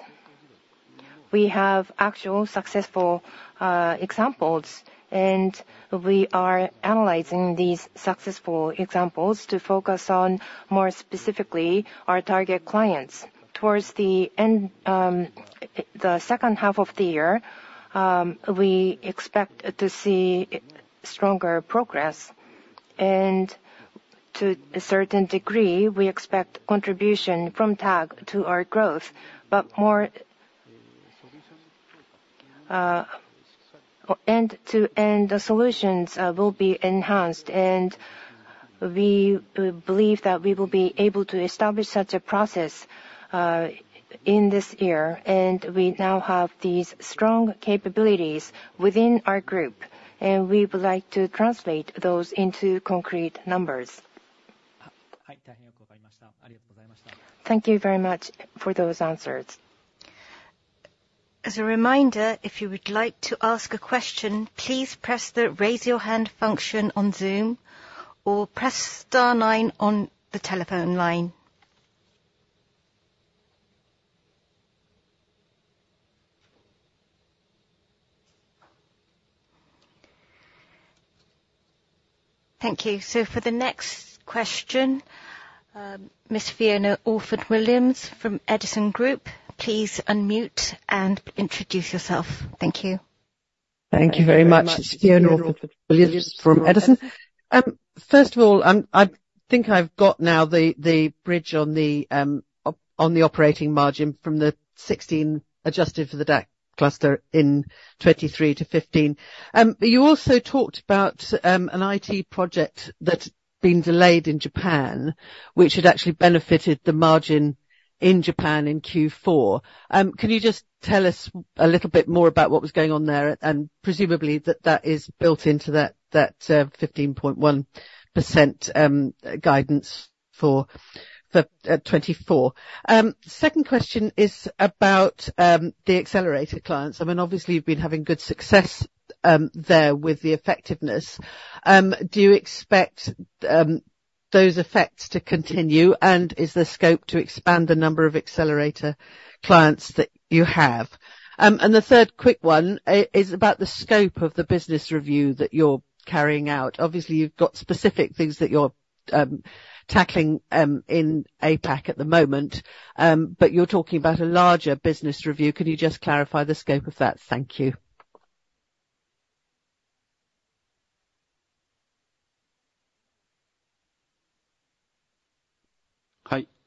Speaker 5: we have actual successful examples, and we are analyzing these successful examples to focus on more specifically our target clients. Towards the second half of the year, we expect to see stronger progress. To a certain degree, we expect contribution from TAG to our growth, but more. The solutions will be enhanced, and we believe that we will be able to establish such a process in this year. We now have these strong capabilities within our group, and we would like to translate those into concrete numbers. はい、大変よくわかりました。ありがとうございました。
Speaker 7: Thank you very much for those answers.
Speaker 1: As a reminder, if you would like to ask a question, please press the raise your hand function on Zoom, or press star nine on the telephone line. Thank you. For the next question, Ms. Fiona Orford-Williams from Edison Group, please unmute and introduce yourself. Thank you.
Speaker 8: Thank you very much. It's Fiona Orford-Williams from Edison. First of all, I think I've got now the bridge on the operating margin from the 2016 adjusted for the DAC cluster in 2023 to 2015. You also talked about an IT project that's been delayed in Japan, which had actually benefited the margin in Japan in Q4. Can you just tell us a little bit more about what was going on there, and presumably that that is built into that 15.1% guidance for 2024? Second question is about the accelerator clients. I mean, obviously, you've been having good success there with the effectiveness. Do you expect those effects to continue, and is there scope to expand the number of accelerator clients that you have? And the third quick one is about the scope of the business review that you're carrying out. Obviously, you've got specific things that you're tackling in APAC at the moment, but you're talking about a larger business review. Can you just clarify the scope of that? Thank you.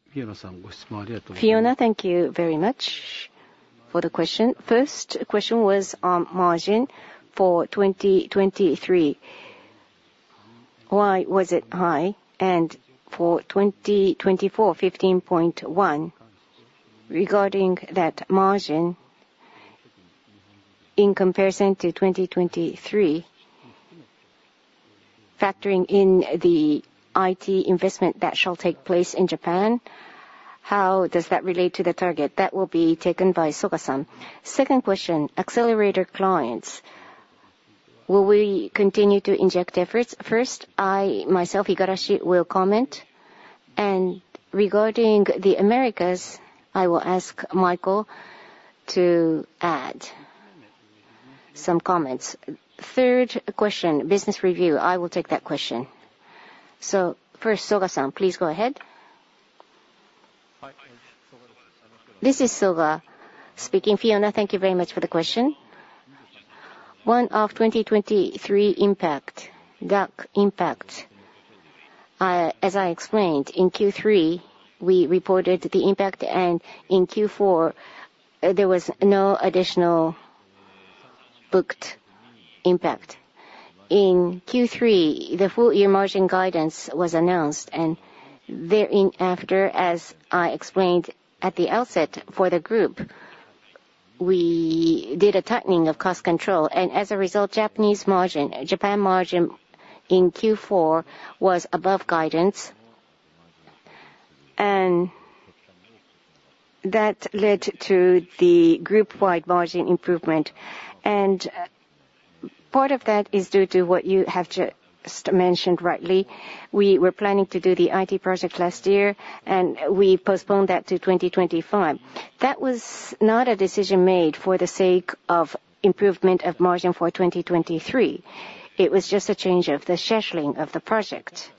Speaker 5: はい、フィオナさん、ご質問ありがとうございました。Fiona, thank you very much for the question. First question was on margin for 2023. Why was it high? For 2024, 15.1, regarding that margin in comparison to 2023, factoring in the IT investment that shall take place in Japan, how does that relate to the target? That will be taken by Soga-san. Second question, accelerator clients. Will we continue to inject efforts? First, I myself, Igarashi, will comment. And regarding the Americas, I will ask Michael to add some comments. Third question, business review. I will take that question. First, Soga-san, please go ahead.
Speaker 3: This is Soga speaking. Fiona, thank you very much for the question. One of 2023 impact, DAC impact. As I explained, in Q3, we reported the impact, and in Q4, there was no additional booked impact. In Q3, the full year margin guidance was announced, and thereafter, as I explained at the outset for the group, we did a tightening of cost control. As a result, Japan margin in Q4 was above guidance, and that led to the group-wide margin improvement. Part of that is due to what you have just mentioned rightly. We were planning to do the IT project last year, and we postponed that to 2025. That was not a decision made for the sake of improvement of margin for 2023. It was just a change of the scheduling of the project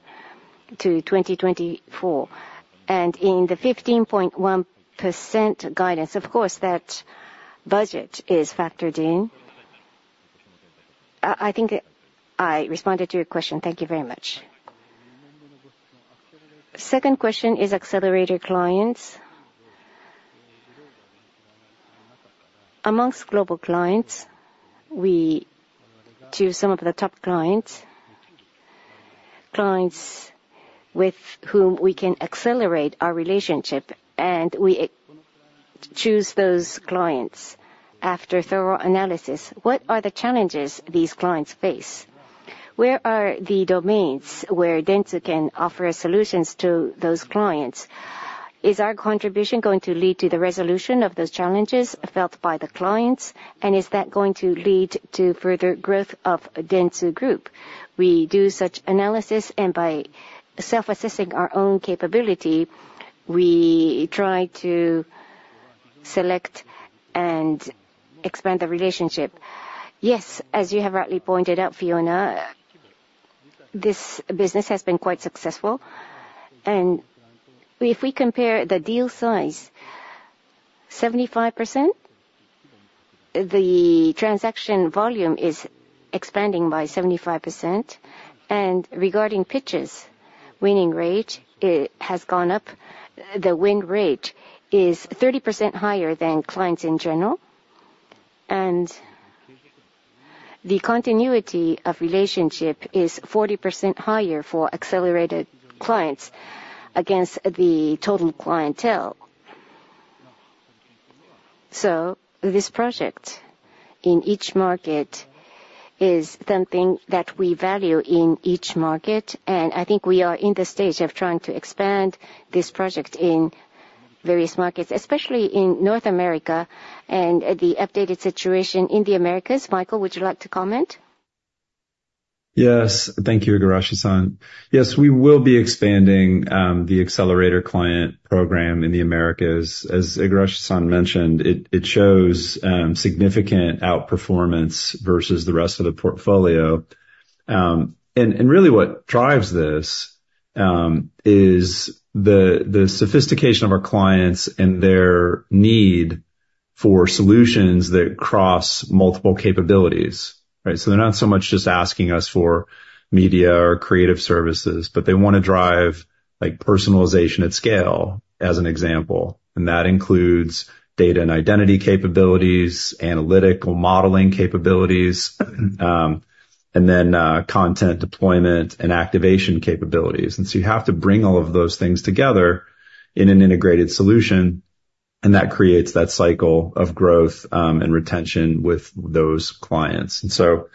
Speaker 3: to 2024. In the 15.1% guidance, of course, that budget is factored in. I think I responded to your question. Thank you very much.
Speaker 8: Second question is accelerator clients. Among global clients, to some of the top clients, clients with whom we can accelerate our relationship, and we choose those clients after thorough analysis. What are the challenges these clients face? Where are the domains where Dentsu can offer solutions to those clients? Is our contribution going to lead to the resolution of those challenges felt by the clients, and is that going to lead to further growth of Dentsu Group? We do such analysis, and by self-assessing our own capability, we try to select and expand the relationship.
Speaker 5: Yes, as you have rightly pointed out, Fiona, this business has been quite successful. If we compare the deal size, 75%, the transaction volume is expanding by 75%. Regarding pitches, winning rate, it has gone up. The win rate is 30% higher than clients in general. The continuity of relationship is 40% higher for accelerated clients against the total clientele. This project in each market is something that we value in each market. I think we are in the stage of trying to expand this project in various markets, especially in North America. The updated situation in the Americas, Michael, would you like to comment?
Speaker 4: Yes. Thank you, Igarashi-san. Yes, we will be expanding the accelerator client program in the Americas. As Igarashi-san mentioned, it shows significant outperformance versus the rest of the portfolio. And really what drives this is the sophistication of our clients and their need for solutions that cross multiple capabilities, right? So they're not so much just asking us for media or creative services, but they want to drive personalization at scale, as an example. And that includes data and identity capabilities, analytical modeling capabilities, and then content deployment and activation capabilities. And so you have to bring all of those things together in an integrated solution, and that creates that cycle of growth and retention with those clients. And so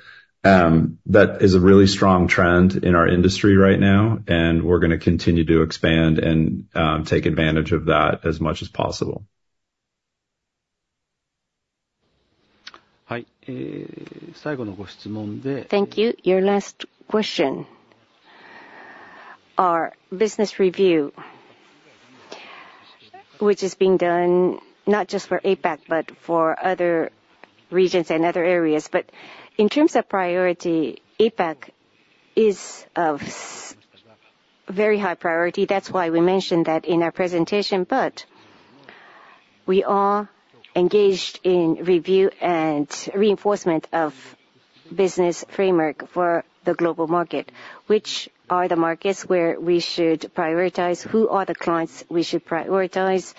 Speaker 4: that is a really strong trend in our industry right now, and we're going to continue to expand and take advantage of that as much as possible. はい、最後のご質問で。
Speaker 5: Thank you. Your last question is business review, which is being done not just for APAC, but for other regions and other areas. But in terms of priority, APAC is of very high priority. That's why we mentioned that in our presentation. But we are engaged in review and reinforcement of the business framework for the global market, which are the markets where we should prioritize, who are the clients we should prioritize,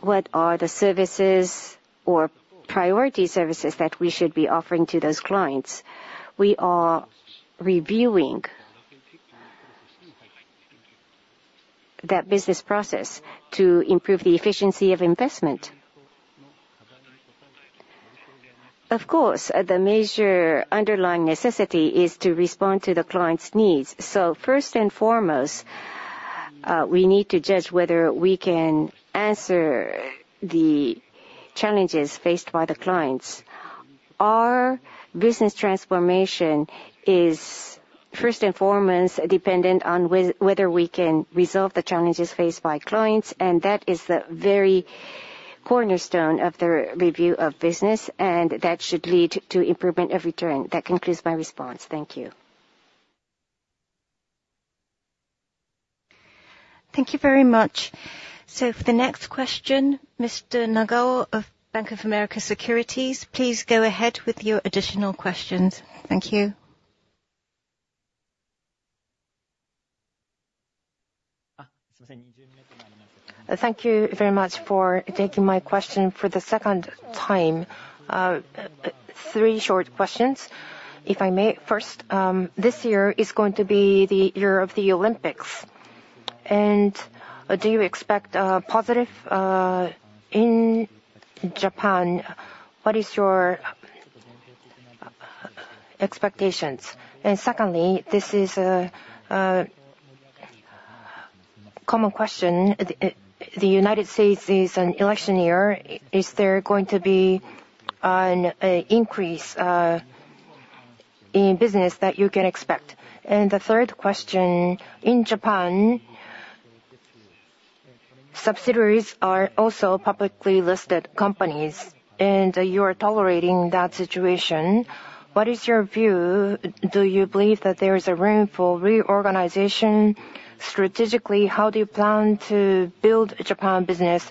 Speaker 5: what are the services or priority services that we should be offering to those clients. We are reviewing that business process to improve the efficiency of investment. Of course, the major underlying necessity is to respond to the clients' needs. So first and foremost, we need to judge whether we can answer the challenges faced by the clients. Our business transformation is first and foremost dependent on whether we can resolve the challenges faced by clients, and that is the very cornerstone of the review of business, and that should lead to improvement of return. That concludes my response. Thank you.
Speaker 1: Thank you very much. So for the next question, Mr. Nagao of Bank of America Securities, please go ahead with your additional questions. Thank you.
Speaker 7: Thank you very much for taking my question for the second time. Three short questions, if I may. First, this year is going to be the year of the Olympics. And do you expect positive in Japan? What are your expectations? And secondly, this is a common question. The United States is an election year.
Speaker 9: Is there going to be an increase in business that you can expect? And the third question, in Japan, subsidiaries are also publicly listed companies, and you are tolerating that situation. What is your view? Do you believe that there is a room for reorganization strategically? How do you plan to build Japan business?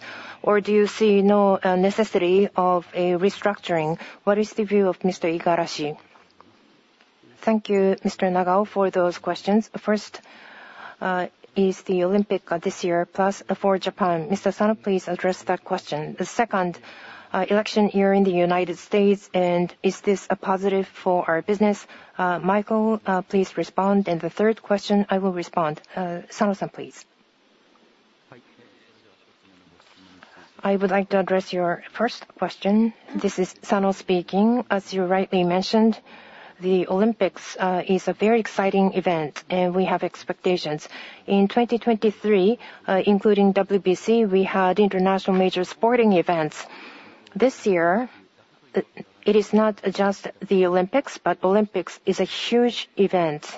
Speaker 9: Or do you see no necessity of a restructuring? What is the view of Mr. Igarashi?
Speaker 5: Thank you, Mr. Nagao, for those questions. First, is the Olympics this year plus for Japan? Mr. Sano, please address that question. Second, election year in the United States, and is this a positive for our business? Michael, please respond. And the third question, I will respond. Sano-san, please. I would like to address your first question. This is Sano speaking. As you rightly mentioned, the Olympics is a very exciting event, and we have expectations. In 2023, including WBC, we had international major sporting events. This year, it is not just the Olympics, but Olympics is a huge event.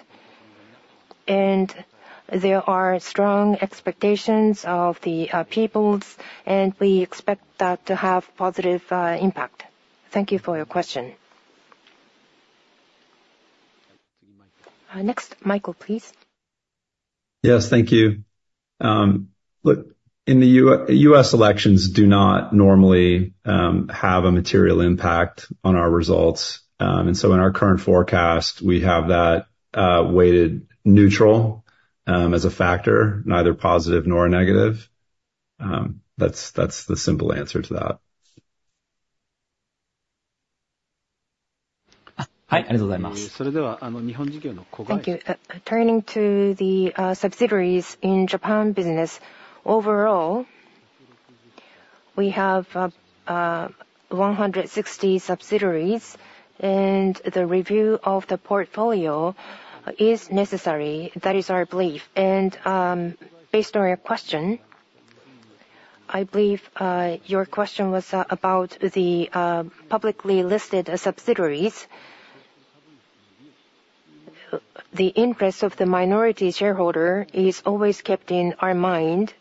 Speaker 5: There are strong expectations of the peoples, and we expect that to have a positive impact. Thank you for your question. Next, Michael, please.
Speaker 4: Yes, thank you. Look, in the U.S. elections, do not normally have a material impact on our results. So in our current forecast, we have that weighted neutral as a factor, neither positive nor negative. That's the simple answer to that. はい、ありがとうございます。それでは、日本事業の子会社。
Speaker 5: Thank you. Turning to the subsidiaries in Japan business, overall, we have 160 subsidiaries, and the review of the portfolio is necessary. That is our belief. Based on your question, I believe your question was about the publicly listed subsidiaries. The interest of the minority shareholder is always kept in our mind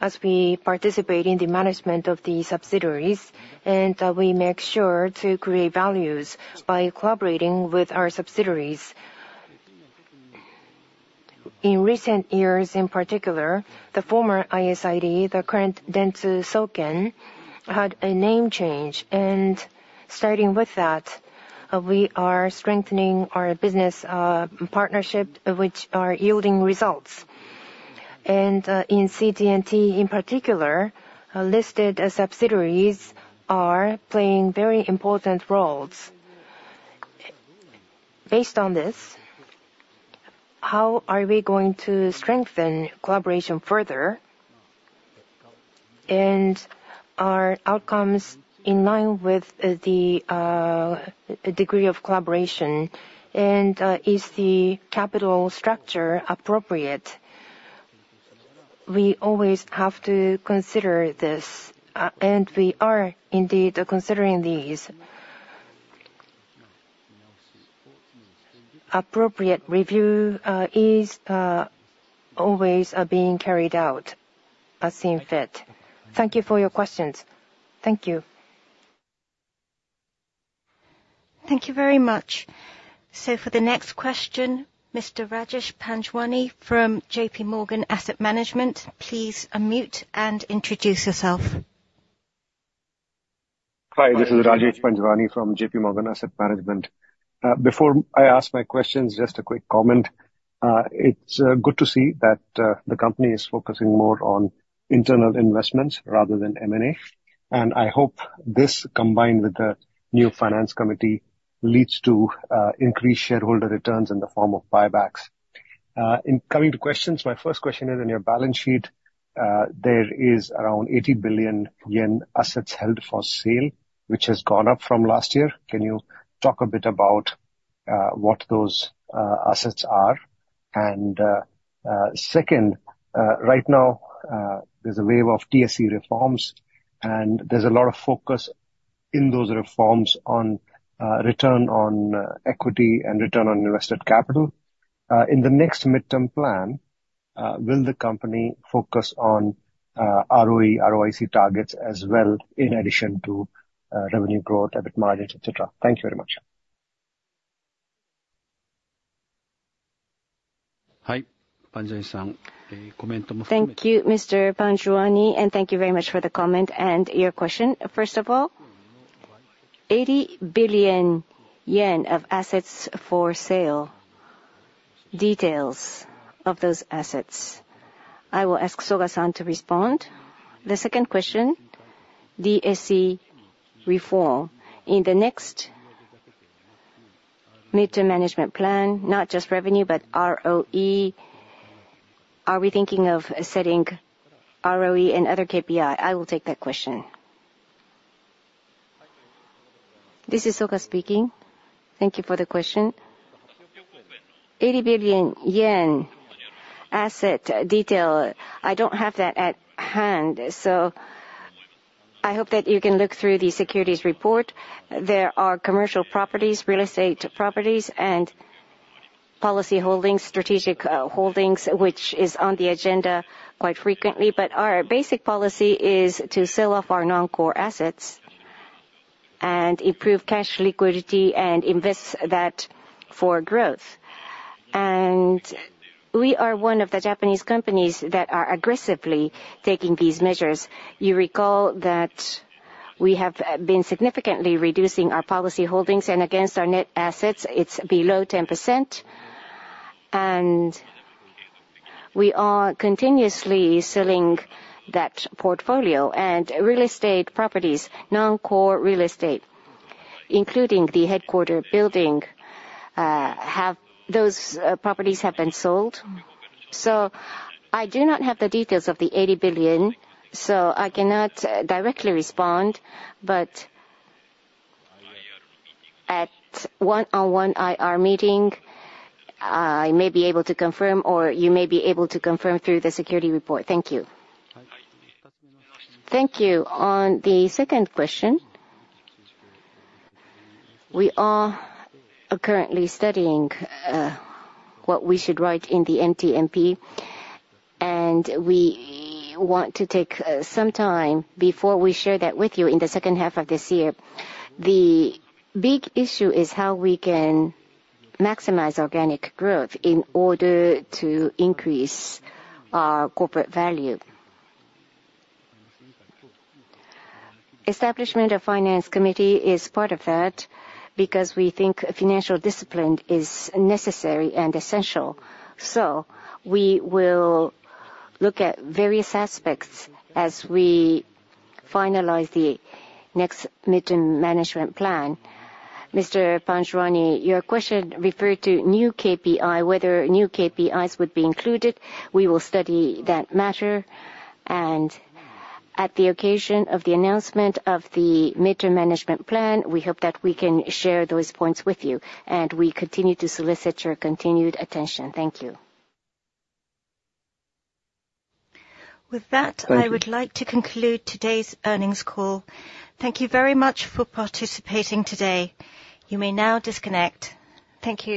Speaker 5: as we participate in the management of the subsidiaries, and we make sure to create values by collaborating with our subsidiaries. In recent years, in particular, the former ISID, the current Dentsu Soken, had a name change. And starting with that, we are strengthening our business partnership, which are yielding results. And in CT&T, in particular, listed subsidiaries are playing very important roles. Based on this, how are we going to strengthen collaboration further? And are outcomes in line with the degree of collaboration? And is the capital structure appropriate? We always have to consider this, and we are indeed considering these. Appropriate review is always being carried out as seen fit. Thank you for your questions. Thank you.
Speaker 1: Thank you very much. So for the next question, Mr. Rajesh Panjwani from J.P. Morgan Asset Management, please unmute and introduce yourself. Hi, this is Rajesh Panjwani from J.P. Morgan Asset Management. Before I ask my questions, just a quick comment. It's good to see that the company is focusing more on internal investments rather than M&A. I hope this, combined with the new finance committee, leads to increased shareholder returns in the form of buybacks. Coming to questions, my first question is, in your balance sheet, there are around 80 billion yen assets held for sale, which has gone up from last year. Can you talk a bit about what those assets are? Second, right now, there's a wave of TSE reforms, and there's a lot of focus in those reforms on return on equity and return on invested capital. In the next midterm plan, will the company focus on ROE, ROIC targets as well, in addition to revenue growth, EBIT margins, etc.? Thank you very much. はい、パンジャイさん、コメントも含めて。
Speaker 5: Thank you, Mr. Panjwani, and thank you very much for the comment and your question. First of all, 80 billion yen of assets for sale. Details of those assets. I will ask Soga-san to respond. The second question, TSE reform. In the next midterm management plan, not just revenue but ROE, are we thinking of setting ROE and other KPIs? I will take that question. This is Soga speaking.
Speaker 3: Thank you for the question. 80 billion yen asset detail. I don't have that at hand, so I hope that you can look through the securities report. There are commercial properties, real estate properties, and policy holdings, strategic holdings, which is on the agenda quite frequently. But our basic policy is to sell off our non-core assets and improve cash liquidity and invest that for growth. We are one of the Japanese companies that are aggressively taking these measures. You recall that we have been significantly reducing our policy holdings, and against our net assets, it's below 10%. We are continuously selling that portfolio. Real estate properties, non-core real estate, including the headquarters building, those properties have been sold. I do not have the details of the 80 billion, so I cannot directly respond. But at one-on-one IR meeting, I may be able to confirm, or you may be able to confirm through the securities report. Thank you.
Speaker 5: Thank you. On the second question, we are currently studying what we should write in the NTMP, and we want to take some time before we share that with you in the second half of this year. The big issue is how we can maximize organic growth in order to increase our corporate value. Establishment of finance committee is part of that because we think financial discipline is necessary and essential. So we will look at various aspects as we finalize the next midterm management plan. Mr. Panjwani, your question referred to new KPIs, whether new KPIs would be included. We will study that matter. At the occasion of the announcement of the midterm management plan, we hope that we can share those points with you, and we continue to solicit your continued attention. Thank you.
Speaker 1: With that, I would like to conclude today's earnings call. Thank you very much for participating today. You may now disconnect. Thank you.